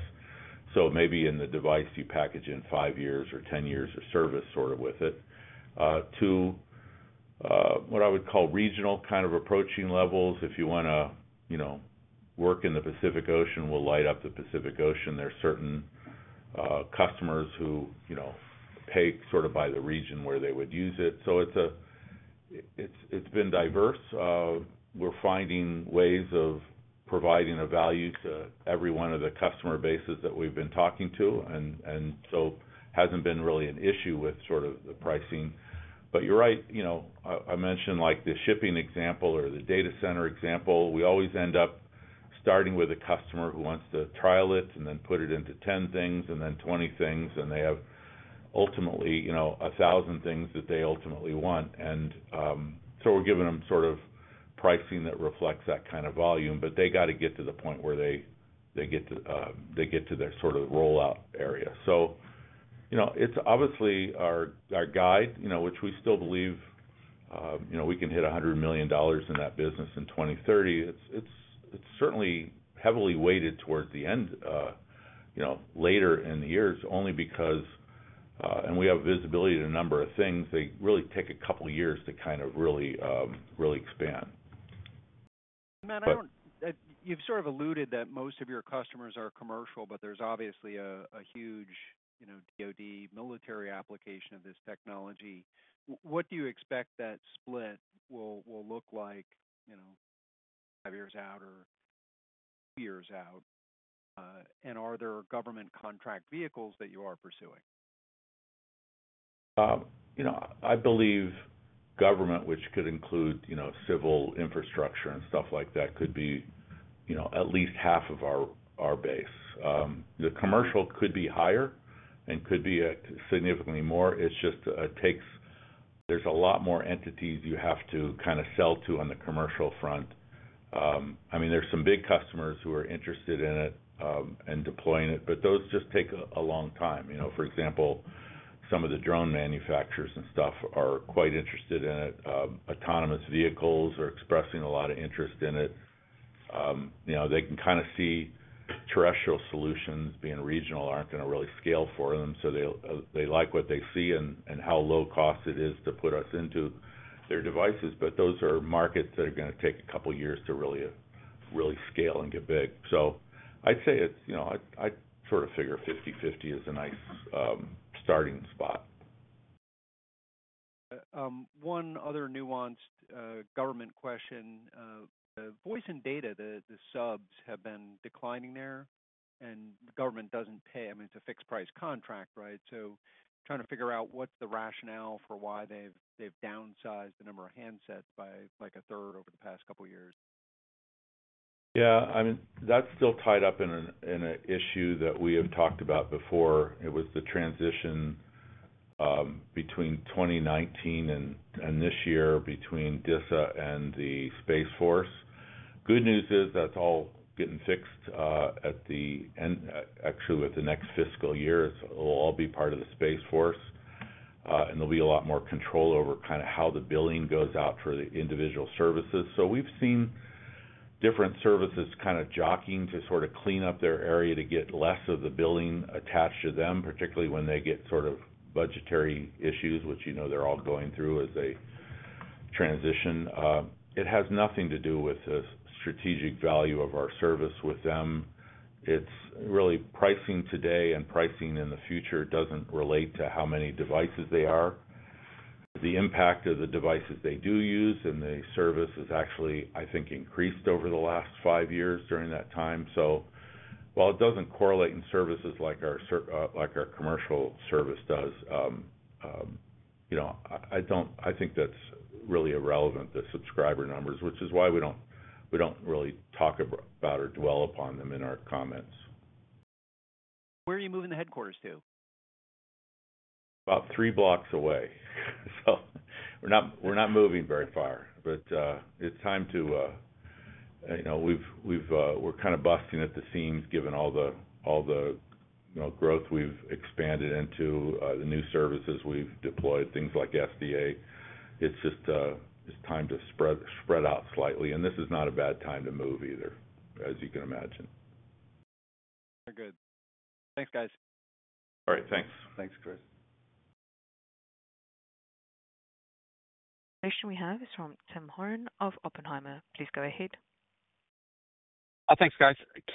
So maybe in the device you package in five years or ten years of service sort of with it. Two, what I would call regional kind of approaching levels. If you want to work in the Pacific Ocean, we'll light up the Pacific Ocean. There are certain customers who pay sort of by the region where they would use it. So it's been diverse. We're finding ways of providing a value to every one of the customer bases that we've been talking to and so it hasn't been really an issue with sort of the pricing. But you're right, I mentioned like the shipping example or the data center example, we always end up starting with a customer who wants to trial it and then put it into 10 things and then 20 things. And they have ultimately a thousand things that they ultimately want. So we're giving them sort of pricing that reflects that kind of volume, but they got to get to the point where they get to their sort of rollout area. So, it's obviously our guide, which we still believe we can hit $100,000,000 in that business in 02/1930. It's certainly heavily weighted towards the end later in the years only because, and we have visibility to a number of things. They really take a couple of years to kind of really expand. Matt, you've sort of alluded that most of your customers are commercial, but there's obviously a huge DoD military application of this technology. What do you expect that split will look like five years out or two years out? And are there government contract vehicles that you are pursuing? I believe government, which could include civil infrastructure and stuff like that could be at least half of our base. The commercial could be higher and could be significantly more, it's just takes, there's a lot more entities you have to kind of sell to on the commercial front. I mean, there's some big customers who are interested in it and deploying it, but those just take a long time. For example, some of the drone manufacturers and stuff are quite interested in it. Autonomous vehicles are expressing a lot of interest in it. They can kind of see terrestrial solutions being regional aren't going to really scale for them. So they like what they see and how low cost it is to put us into their devices. But those are markets that are going to take a couple of years to really scale and get big. So I'd say it's, I sort of figure fiftyfifty is a nice starting spot. One other nuanced government question, voice and data, the subs have been declining there and the government doesn't pay. I mean, it's a fixed price contract, right? So trying to figure out what's the rationale for why they've downsized the number of handsets by like a third over the past couple of years. Yeah, I mean, that's still tied up in an issue that we have talked about before. It was the transition between 2019 and this year between DISA and the Space Force. Good news is that's all getting fixed the end, actually with the next fiscal year, it'll all be part of the Space Force. And there'll be a lot more control over kind of how the billing goes out for the individual services. So we've seen different services kind of jockeying to sort of clean up their area to get less of the billing attached to them, particularly when they get sort of budgetary issues, which they're all going through as they transition. It has nothing to do with strategic value of our service with them. It's really pricing today and pricing in the future doesn't relate to how many devices they are. The impact of the devices they do use and the service has actually increased over the last five years during that time. So while it doesn't correlate in services like commercial service does, I think that's really irrelevant, the subscriber numbers, which is why we don't really talk about or dwell upon them in our comments. Where are you moving the headquarters to? About three blocks away. So we're not moving very far, but it's time we're kind of busting at the seams given all the growth we've expanded into, the new services we've deployed, things like FDA. It's just time to spread out slightly and this is not a bad time to move either, as you can imagine. Good. Thanks guys. All right, thanks. Thanks Chris. We have is from Tim Horan of Oppenheimer. Can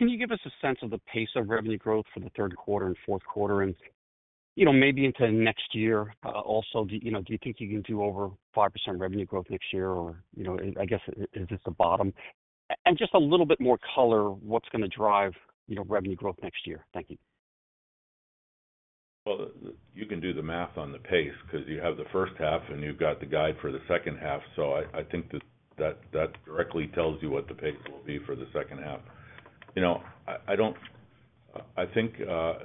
you give us a sense of the pace of revenue growth for the third quarter and fourth quarter? And maybe into next year also, do you think you can do over 5% revenue growth next year or I guess is this the bottom? And just a little bit more color, what's going to drive revenue growth next year? Thank you. Well, you can do the math on the pace because you have the first half and you've got the guide for the second half. So I think that directly tells you what the pace will be for the second half. I think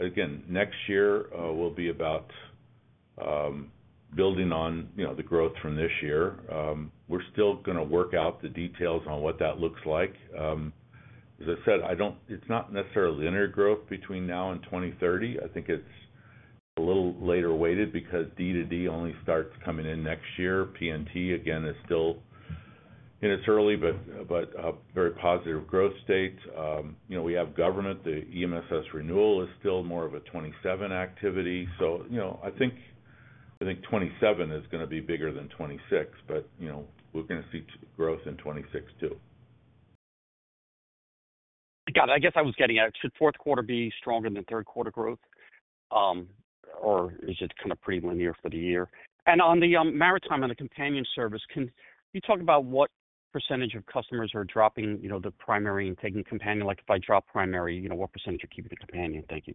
again, year will be about building on the growth from this year. We're still going to work out the details on what that looks like. As I said, it's not necessarily linear growth between now and 02/1930. I think it's a little later weighted because D2D only starts coming in next year. PNT again is still in its early, but very positive growth state. We have government, the EMSS renewal is still more of a '27 activity. So I think '27 is going to be bigger than '26, but we're going to see growth in '26 too. Got it. I guess I was getting at it. Should fourth quarter be stronger than third quarter growth? Or is it kind of pretty linear for the year? And on the Maritime and the companion service, can you talk about what percentage of customers are dropping the primary and taking companion? Like if I drop primary, what percentage are keeping the companion? Thank you.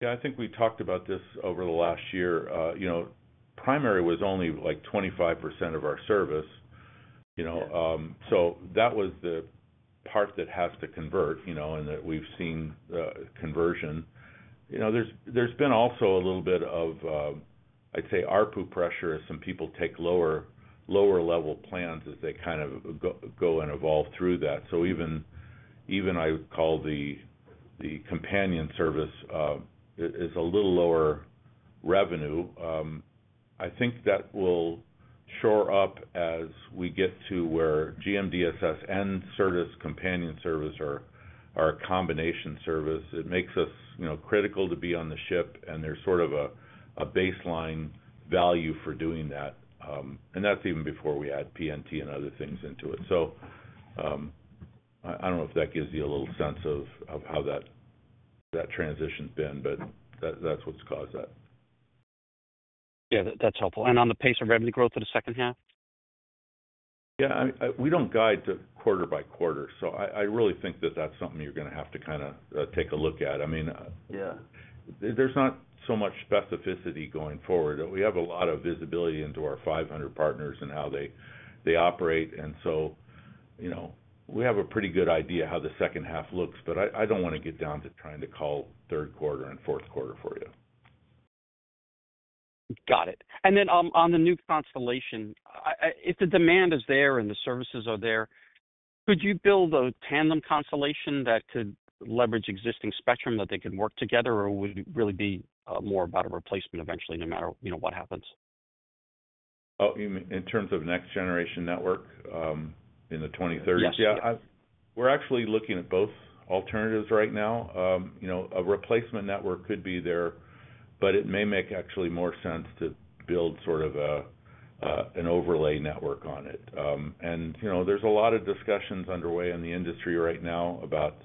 Yeah, I think we talked about this over the last year, primary was only like 25% of our service. So that was the part that has to convert and that we've seen conversion. There's been also a little bit of, I'd say ARPU pressure as some people take lower level plans as they kind of go and evolve through that. So even I would call the companion service is a little lower revenue. I think that will shore up as we get to where GMDSS and service companion service are a combination service. It makes us critical to be on the ship and there's sort of a baseline value for doing that. And that's even before we add PNT and other things into it. So I don't know if that gives you a little sense of how that transition been, but that's what's caused that. Yeah, that's helpful. And on the pace of revenue growth for the second half? Yeah, we don't guide to quarter by quarter. So I really think that that's something you're going to have to kind of take a look at. I mean, there's not so much specificity going forward. We have a lot of visibility into our 500 partners and how they operate. And so, have a pretty good idea how the second half looks, but I don't want to get down to trying to call third quarter and fourth quarter for you. Got it. And then on the new constellation, if the demand is there and the services are there, could you build a tandem constellation that could leverage existing spectrum that they can work together or would it really be more about a replacement eventually, no matter what happens? In terms of next generation network in the 2030s? Yes. We're actually looking at both alternatives right now. A replacement network could be there, but it may make actually more sense to build sort of an overlay network on it. And there's a lot of discussions underway in the industry right now about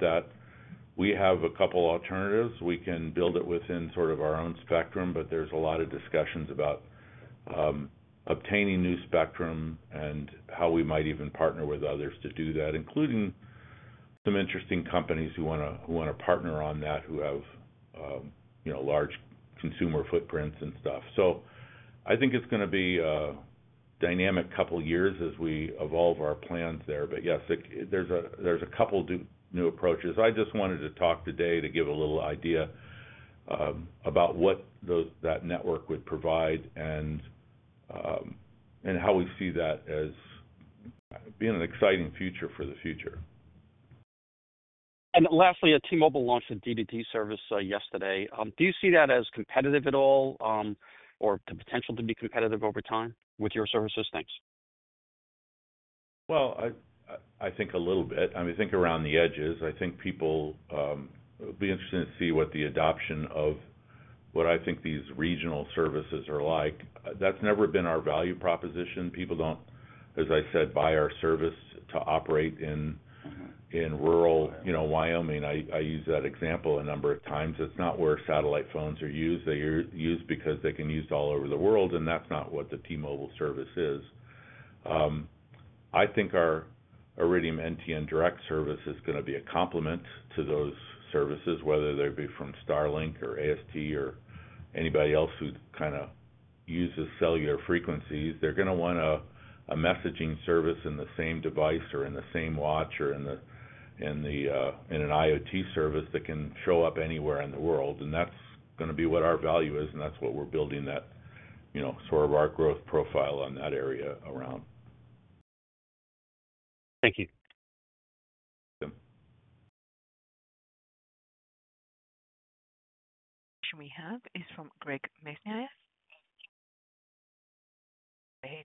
that. We have a couple alternatives. We can build it within sort of our own spectrum, but there's a lot of discussions about obtaining new spectrum and how we might even partner with others to do that, including some interesting companies who want to partner on that, who have large consumer footprints and stuff. So I think it's going to be a dynamic couple of years as we evolve our plans there. But yes, there's a couple of new approaches. I just wanted to talk today to give a little idea about what that network would provide and how we see that as being an exciting future for the future. And lastly, a T Mobile launched a DVT service yesterday. Do you see that as competitive at all or the potential to be competitive over time with your services? Thanks. Well, I think a little bit. I mean, think around the edges, I think people, it'd be interesting to see what the adoption of what I think these regional services are like. That's never been our value proposition. People don't, as I said, buy our service to operate in rural Wyoming. I use that example a number of times. It's not where satellite phones are used. They're because they can use all over the world and that's not what the T Mobile service is. I think our Iridium NTN Direct service is going to be a compliment to those services, whether they be from Starlink or AST or anybody else who kind of uses cellular frequencies. They're going to want a messaging service in the same device or in the same watch or in an IoT service that can show up anywhere in the world. And that's going to be what our value is. And that's what we're building that sort of our growth profile on that area around. Thank you. We have is from Greg. Go ahead.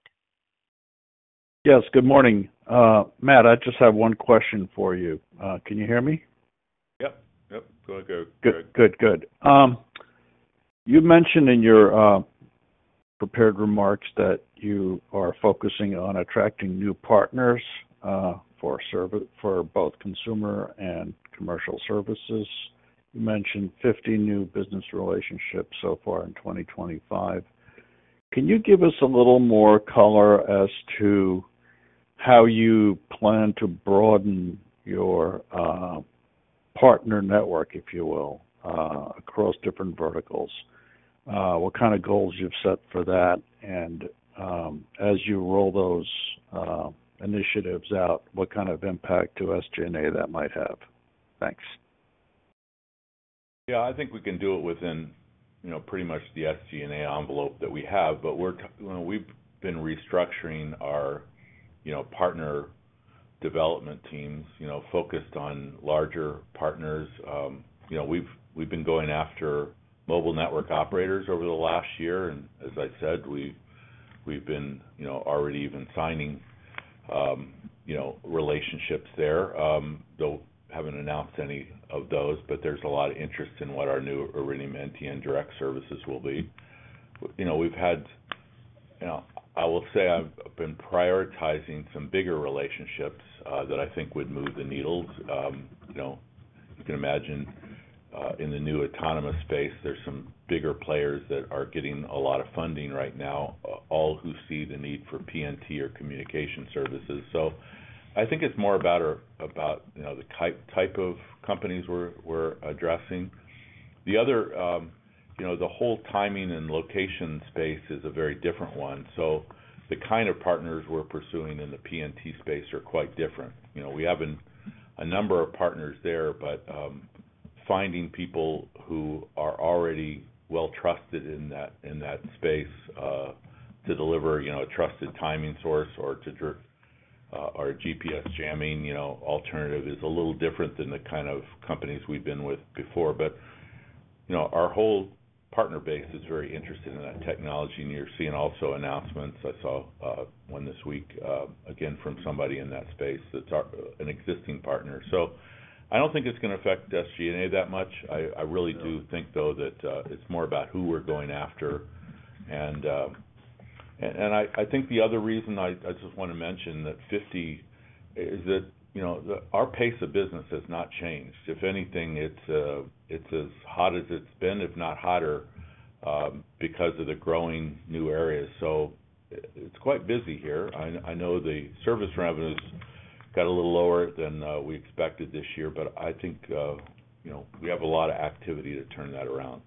Yes. Good morning. Matt, I just have one question for you. Can you hear me? Yep. Yep. Go ahead, Greg. Good. Good. Good. Mentioned in your prepared remarks that you are focusing on attracting new partners for both consumer and commercial services. You mentioned 50 new business relationships so far in 2025. Can you give us a little more color as to how you plan to broaden your partner network, if you will, across different verticals? What kind of goals you've set for that? And as you roll those initiatives out, what kind of impact to SG and A that might have? Thanks. Yeah, I think we can do it within pretty much the SG and A envelope that we have, but we've been restructuring our partner development teams focused on larger partners. We've been going after mobile network operators over the last year and as I said, we've been already even signing relationships there. Though haven't announced any of those, but there's a lot of interest in what our new Iridium NTN Direct services will be. I will say I've been prioritizing some bigger relationships that I think would move the needles. You can imagine in the new autonomous space, there's some bigger players that are getting a lot of funding right now, all who see the need for PNT or communication services. So I think it's more about the type of companies we're addressing. The whole timing and location space is a very different one. So the kind of partners we're pursuing in the PNT space are quite different. We have a number of partners there, but finding people who are already well trusted in that space to deliver a trusted timing source or to drift our GPS jamming alternative is a little different than the kind of companies we've been But our whole partner base is very interested in that technology and you're seeing also announcements. I saw one this week, again from somebody in that space, that's an existing partner. So I don't think it's going to affect SG and A that much. Really do think though that it's more about who we're going after. And I think the other reason I just want to mention that 50 is that our pace of business has not changed. If anything, it's as hot as it's been, if not hotter because of the growing new areas. So it's quite busy here. I know the service revenues got a little lower than we expected this year, but I think we have a lot of activity to turn that around.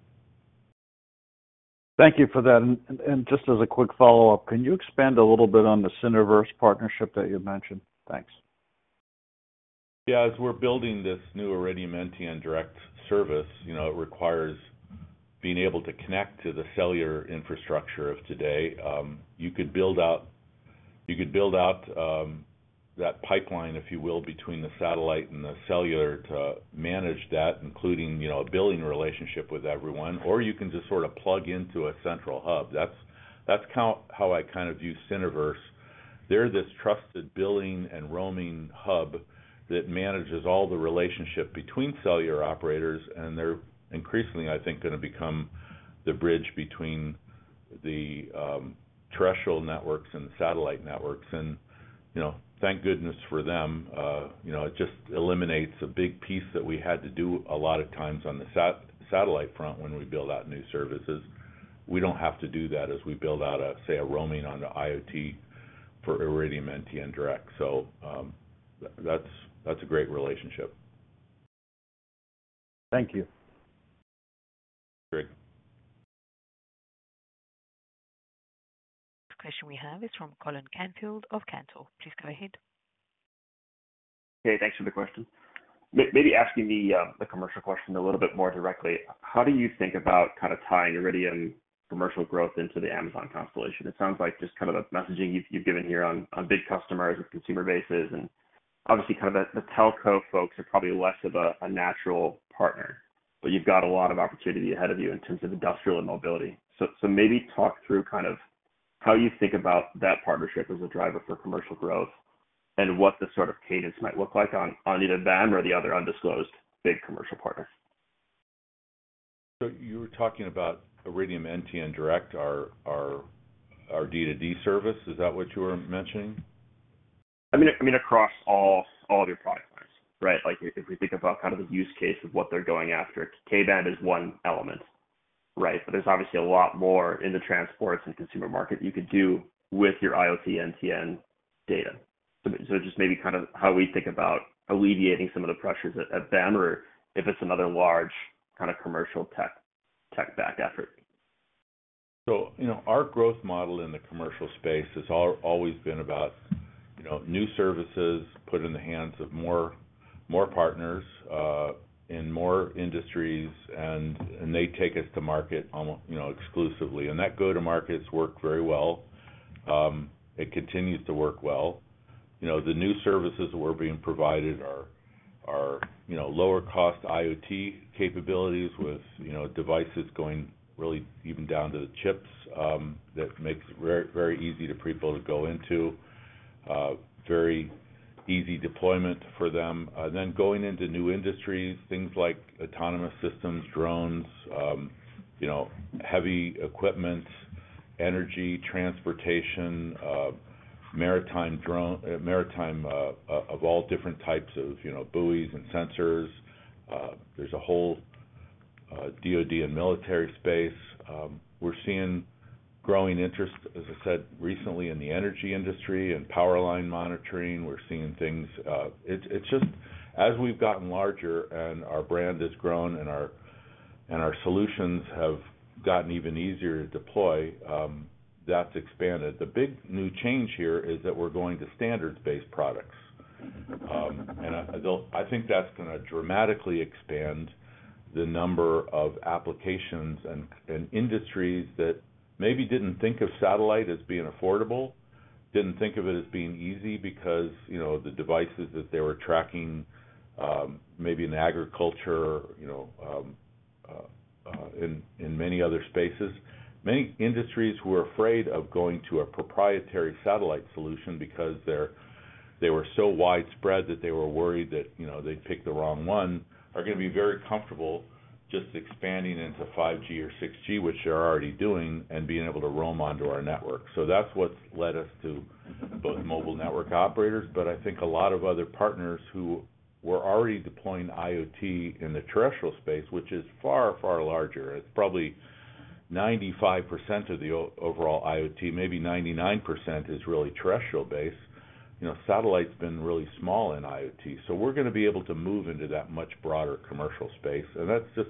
Thank you for that. Just as a quick follow-up, can you expand a little bit on the Cinnaverse partnership that you've mentioned? Thanks. Yes, as we're building this new Iridium NTN Direct service, it requires being able to connect to the cellular infrastructure of today. You could build out that pipeline, if you will, between the satellite and the cellular to manage that, including a billing relationship with everyone, or you can just sort of plug into a central hub. That's how I kind of view Cinnaverse. They're this trusted billing and roaming hub that manages all the relationship between cellular operators and they're increasingly, I think, going to become the bridge between the terrestrial networks and satellite networks. Thank goodness for them, it just eliminates a big piece that we had to do a lot of times on the satellite front when we build out new services. We don't have to do that as we build out a say a roaming on the IoT for Iridium NTN Direct. So that's a great relationship. Thank you. Great. Question we have is from Colin Canfield of Cantor. Please go ahead. Hey. Thanks for the question. Maybe asking me the commercial question a little bit more directly. How do you think about kind of tying Iridium commercial growth into the Amazon constellation? It sounds like just kind of the messaging you've given here on big customers and consumer bases and obviously kind of the telco folks are probably less of a natural partner, but you've got a lot of opportunity ahead of you in terms of industrial and mobility. So maybe talk through kind of how you think about that partnership as a driver for commercial growth and what the sort of cadence might look like on either them or the other undisclosed big commercial partner. So you were talking about Iridium NTN Direct, D2D service. Is that what you were mentioning? I mean, across all of your products. Like, we think about kind of the use case of what they're going after, K band is one element. Right? But there's obviously a lot more in the transports and consumer market you could do with your IoT NTN data. So so just maybe kind of how we think about alleviating some of the pressures at at them or if it's another large kind of commercial tech back effort. So our growth model in the commercial space has always been about new services put in the hands of more partners in more industries and they take us to market exclusively. And that go to markets work very well. It continues to work well. The new services that we're being provided are lower cost IoT capabilities with devices going really even down to the chips that makes it very easy to people to go into, very easy deployment for them. Then going into new industries, things like autonomous systems, drones, heavy equipment, energy transportation, maritime of all different types of buoys and sensors. There's a whole DoD and military space. We're seeing growing interest, as I said, recently in the energy industry and power line monitoring, we're seeing things, it's just as we've gotten larger and our brand has grown and our solutions have gotten even easier to deploy, that's expanded. The big new change here is that we're going to standards based products. And I think that's gonna dramatically expand the number of applications and industries that maybe didn't think of satellite as being affordable, didn't think of it as being easy because the devices that they were tracking maybe in agriculture, in many other spaces. Many industries who are afraid of going to a proprietary satellite solution because they were so widespread that they were worried that they'd pick the wrong one are gonna be very comfortable just expanding into five gs or six gs, which they're already doing and being able to roam onto our network. So that's what led us to both mobile network operators, but I think a lot of other partners who were already deploying IoT in the terrestrial space, which is far, far larger. It's probably 95 of the overall IoT, maybe 99% is really terrestrial base. Satellite's been really small So we're going to be able to move into that much broader commercial space. And that just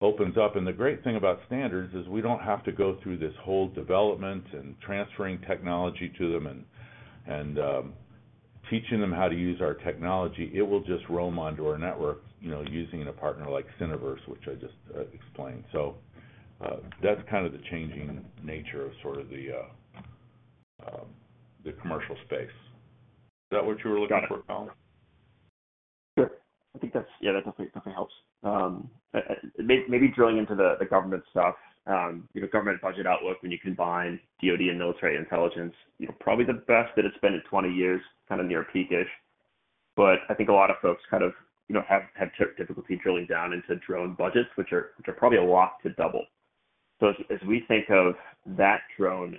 opens up. And the great thing about standards is we don't have to go through this whole development and transferring technology to them and teaching them how to use our technology, it will just roam onto our network using a partner like Cineverse, which I just explained. So that's kind of the changing nature of sort of the commercial space. Is that what you were looking for, Colin? Sure. I think that's yeah. That definitely helps. Maybe drilling into the the government stuff, you know, government budget outlook when you combine DOD and military intelligence, probably the best that it's been in twenty years kind of near peak ish. But I think a lot of folks kind of have difficulty drilling down into drone budgets, which are probably a lot to double. So as we think of that drone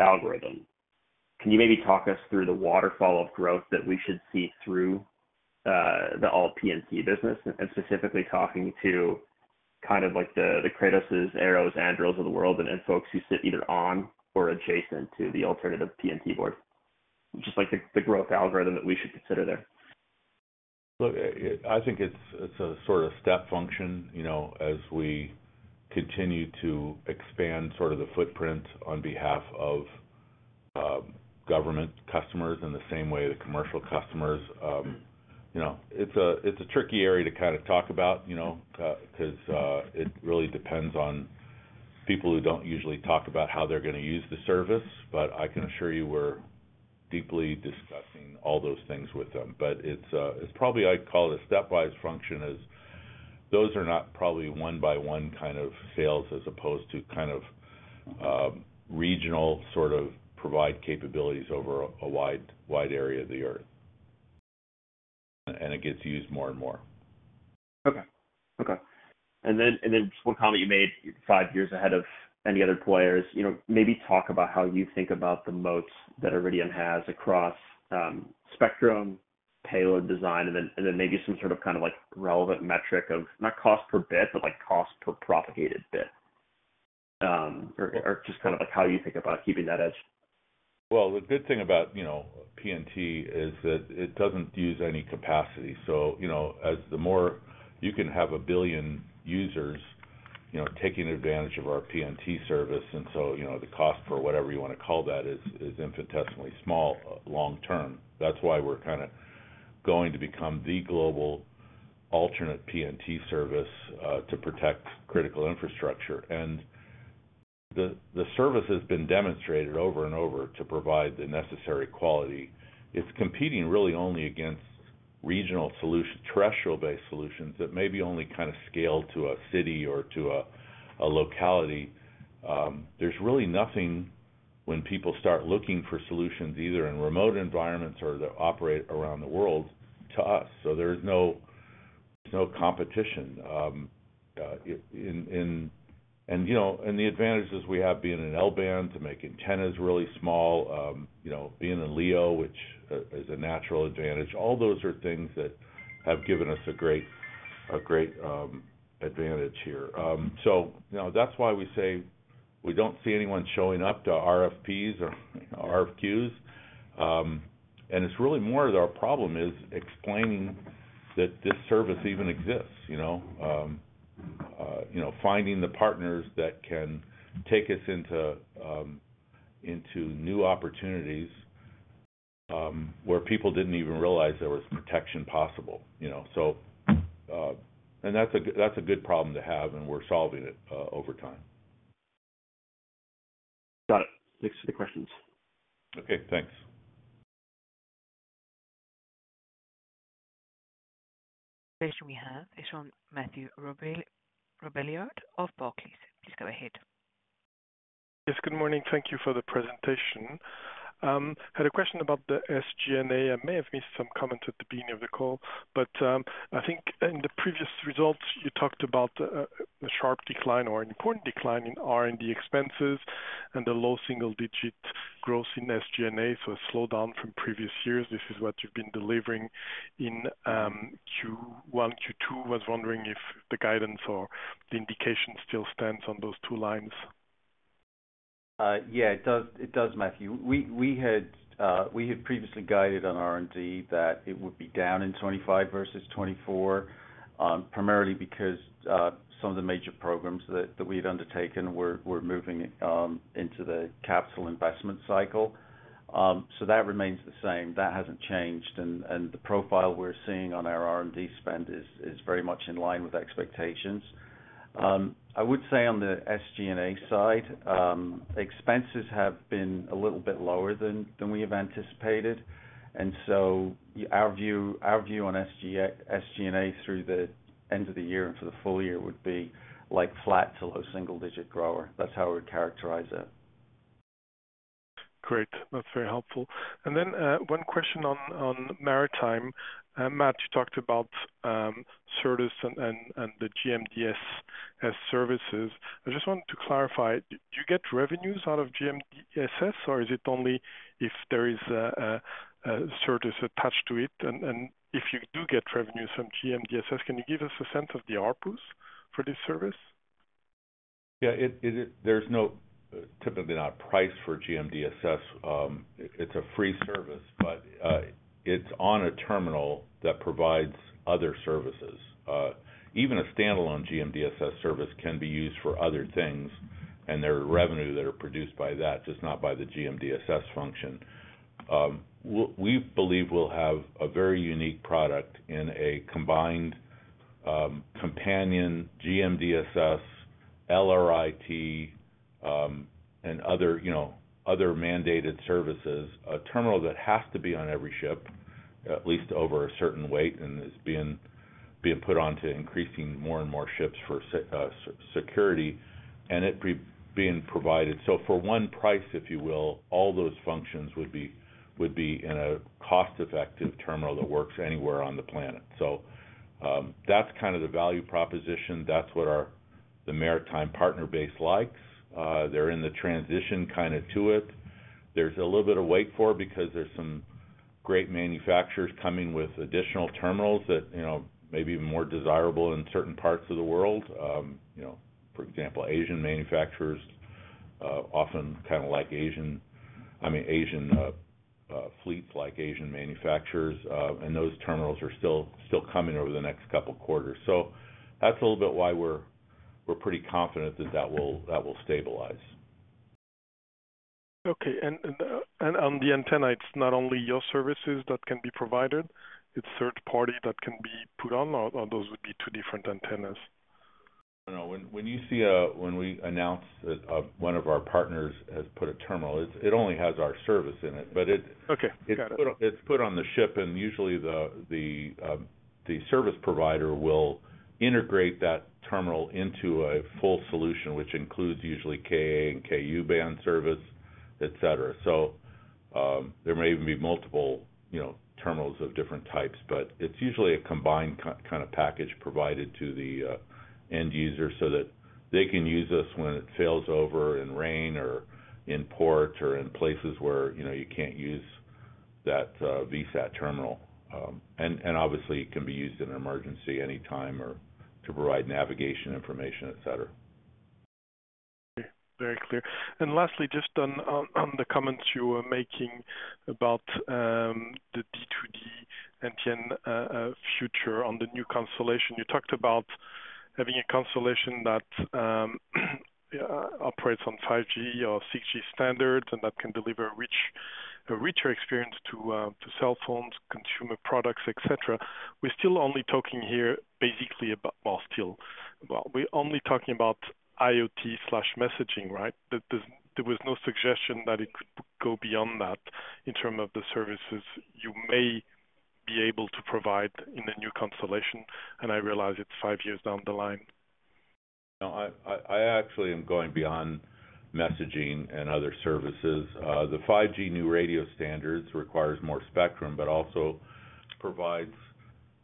algorithm, can you maybe talk us through the waterfall of growth that we should see through the all P and C business and specifically talking to kind of like the the Kratos' arrows and drills of the world and and folks who sit either on or adjacent to the alternative PNT board, just like the growth algorithm that we should consider there. I think it's a sort of step function, as we continue to expand sort of the footprint on behalf of government customers in the same way the commercial customers. It's a tricky area to kind of talk about, because it really depends on people who don't usually talk about how they're going to use the service, but I can assure you we're deeply discussing all those things with them. But it's probably I'd call it a stepwise function as those are not probably one by one kind of sales as opposed to kind of regional sort of provide capabilities over a wide area of the earth. And it gets used more and more. Okay, okay. And then just one comment you made five years ahead of any other players, you know, maybe talk about how you think about the moats that Iridium has across spectrum, payload design, and then and then maybe some sort of kind of, like, relevant metric of not cost per bit, but, like, cost per propagated bit or just kind of like how you think about keeping that edge? Well, the good thing about PNT is that it doesn't use any capacity. So as the more you can have a billion users taking advantage of our PNT service. And so, the cost for whatever you wanna call that is infinitesimally small long term. That's why we're kind of going to become the global alternate PNT service to protect critical infrastructure. And the service has been demonstrated over and over to provide the necessary quality. It's competing really only against regional solution, terrestrial based solutions that maybe only kind of scale to a city or to a locality. There's really nothing when people start looking for solutions either in remote environments or to operate around the world to us. So there's competition in the advantages we have being an L band to make antennas really small, being a Leo, which is a natural advantage. All those are things that have given us a great advantage here. So that's why we say we don't see anyone showing up to RFPs or RFQs. And it's really more of our problem is explaining that this service even exists. Finding the partners that can take us into new opportunities where people didn't even realize there was protection possible. So, and that's a good problem to have and we're solving it over time. Got it, thanks for the questions. Okay, thanks. We have is from Matthew Robilliard of Barclays. Please go ahead. Yes. Good morning. Thank you for the presentation. I had a a question about the SG and A. I may have missed some comments at the beginning of the call, but I think in the previous results, you talked about a sharp decline or an important decline in R and D expenses and the low single digit growth in SG and A, so a slowdown from previous years. This is what you've been delivering in q well, q two. I was wondering if the guidance or the indication still stands on those two lines. Yeah, it does, Matthew. We had previously guided on R and D that it would be down in '25 versus '24, primarily because, some of the major programs that we'd undertaken were moving into the capital investment cycle. So that remains the same. That hasn't changed. The profile we're seeing on our R and D spend is very much in line with expectations. I would say on the SG and A side, expenses have been a little bit lower than we have anticipated. Our view on SG and A through the end of the year and for the full year would be like flat to low single digit grower. That's how I would characterize it. Great. That's very helpful. And then one question on maritime. Matt, you talked about Certus and the GMDSS services. I just wanted to clarify, do you get revenues out of GMDSS, or is it only if there is a Certus attached If you do get revenues from GMDSS, can you give us a sense of the ARPUs for this service? Yeah, there's no typically not price for GMDSS. It's a free service, but it's on a terminal that provides other services. Even a standalone GMDSS service can be used for other things and their revenue that are produced by that, just not by the GMDSS function. We believe we'll have a very unique product in a combined companion GMDSS, LRIT and other mandated services, a terminal that has to be on every ship, at least over a certain weight and is being put onto increasing more and more ships for security and it being provided. So for one price, if you will, all those functions would be in a cost effective terminal that works anywhere on the planet. So that's kind of the value proposition. That's what the maritime partner base likes. They're in the transition kind of to it. There's a little bit of wait for because there's some great manufacturers coming with additional terminals that maybe more desirable in certain parts of the world. For example, Asian manufacturers often kind of like Asian, I mean, fleets like Asian manufacturers and those terminals are still coming over the next couple of quarters. So that's a little bit why we're pretty confident that that will stabilize. Okay, and on the antenna, it's not only your services that can be provided, it's third party that can be put on or those would be two different antennas? When we announced one of our partners has put a terminal, it only has our service in it, but it's put on the ship and usually the service provider will integrate that terminal into a full solution, which includes usually Ka and Ku band service, etcetera. So there may even be multiple terminals of different types, but it's usually a combined kind of package provided to the end user so that they can use us when it fails over in rain or in port or in places where you can't use that VSAT terminal. And obviously it can be used in an emergency anytime or to provide navigation information, etcetera. Very clear. And lastly, just on on on the comments you were making about the d two d MTN future on the new constellation. You talked about having a constellation that operates on five g or six g standards and that can deliver rich a richer experience to to cell phones, consumer products, etcetera. We're still only talking here basically about more still. Well, we're only talking about IoT slash messaging. Right? There there was no suggestion that it could go beyond that in terms of the services you may be able to provide in the new constellation, and I realize it's five years down the line. I actually am going beyond messaging and other services. The five gs new radio standards requires more spectrum, but also provides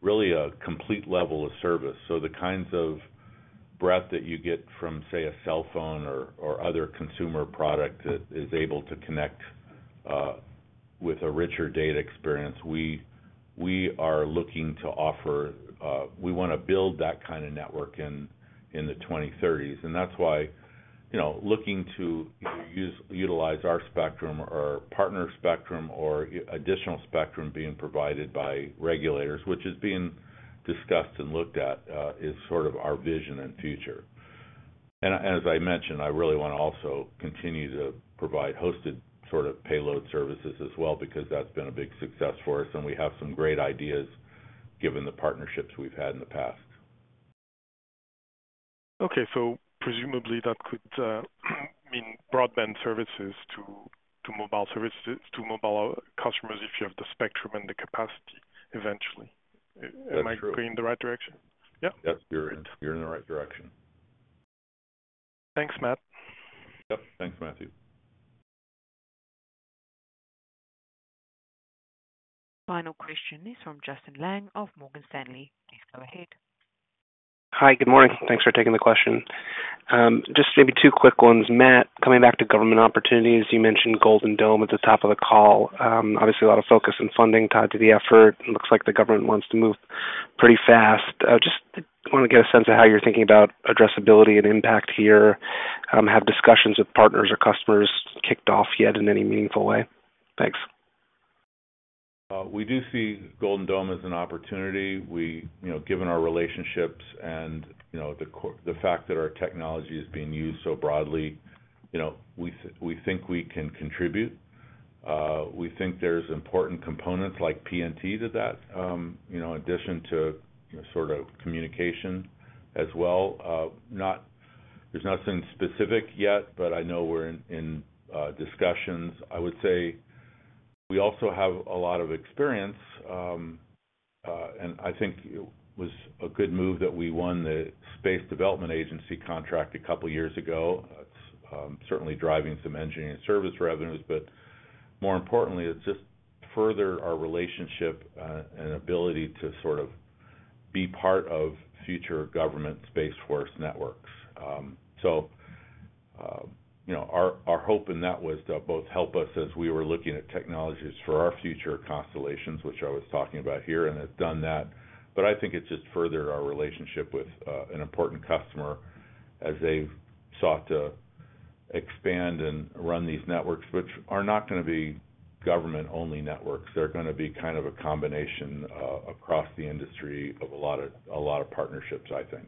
really a complete level of service. So the kinds of breadth that you get from say a cell phone or other consumer product that is able to connect with a richer data experience, looking to offer, we wanna build that kind of network in the 2030s. And that's why looking to utilize our spectrum or partner spectrum or additional spectrum being provided by regulators, is being discussed and looked at is sort of our vision and future. And as I mentioned, I really wanna also continue to provide hosted sort of payload services as well, because that's been a big success for us and we have some great ideas given the partnerships we've had in the past. Okay. So presumably that could mean broadband services to to mobile services to mobile customers if you have the spectrum and the capacity eventually. Am I going in the right direction? Yep. Yep. You're in you're in the right direction. Thanks, Matt. Yep. Thanks, Matthew. Final question is from Justin Lang of Morgan Stanley. Please go ahead. Hi, good morning. Thanks for taking the question. Just maybe two quick ones. Matt, coming back to government opportunities, you mentioned Golden Dome at the top of the call. Obviously, lot of focus and funding tied to the effort. It looks like the government wants to move pretty fast. Just want to get a sense of how you're thinking about addressability and impact here. Have discussions with partners or customers kicked off yet in any meaningful way? Thanks. We do see Golden Dome as an opportunity. Given our relationships and the fact that our technology is being used so broadly, we think we can contribute. We think there's important components like PNT to that, in addition to sort of communication as well. There's nothing specific yet, but I know we're in discussions. I would say we also have a lot of experience and I think it was a good move that we won the space development agency contract a couple of years ago, certainly driving some engineering service revenues, but more importantly, it's just further our relationship and ability to sort of be part of future government space force networks. So our hope in that was to both help us as we were looking at technologies for our future constellations, which I was talking about here and have done that. But I think it's just further our relationship with an important customer as they sought to expand and run these networks, which are not going to be government only networks. They're going to be kind of a combination across the industry of a of partnerships, I think.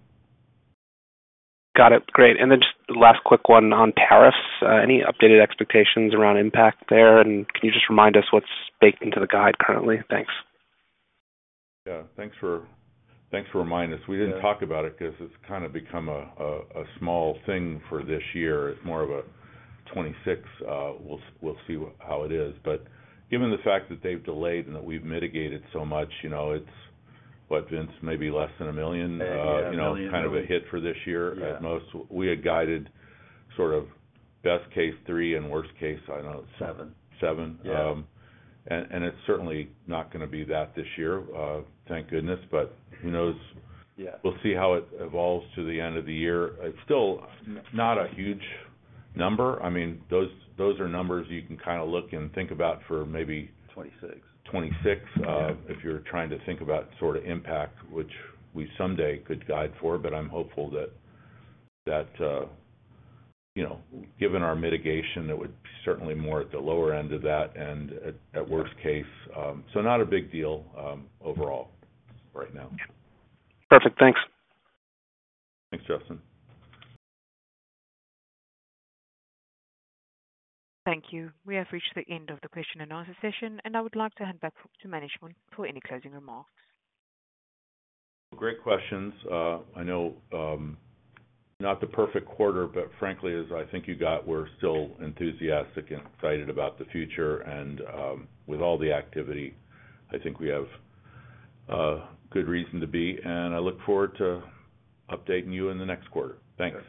Got it. Great. And then just last quick one on tariffs. Any updated expectations around impact there? And can you just remind us what's baked into the guide currently? Thanks. Yeah, thanks for reminding us. We didn't talk about it because it's kind of become a small thing for this year. It's more of a 26, we'll see how it is. But given the fact that they've delayed and that we've mitigated so much, it's what Vince, maybe less than a million, kind of a hit for this year at most. We had guided sort of best case three and worst case, I don't know. Seven. Seven. And it's certainly not going to be that this year, thank goodness, but who knows? We'll see how it evolves to the end of the year. It's still not a huge number. I mean, are numbers you can kind of look and think about for maybe '26. If you're trying to think about sort of impact, which we someday could guide for, but I'm hopeful that given our mitigation, that would certainly more at the lower end of that and at worst case. So not a big deal overall right now. Perfect. Thanks. Thanks, Justin. Thank you. We have reached the end of the question and answer session, and I would like to hand back to management for any closing remarks. Great questions. I know not the perfect quarter, but frankly, as I think you got, we're still enthusiastic and excited about the future. And with all the activity, I think we have good reason to be. And I look forward to updating you in the next quarter. Thanks.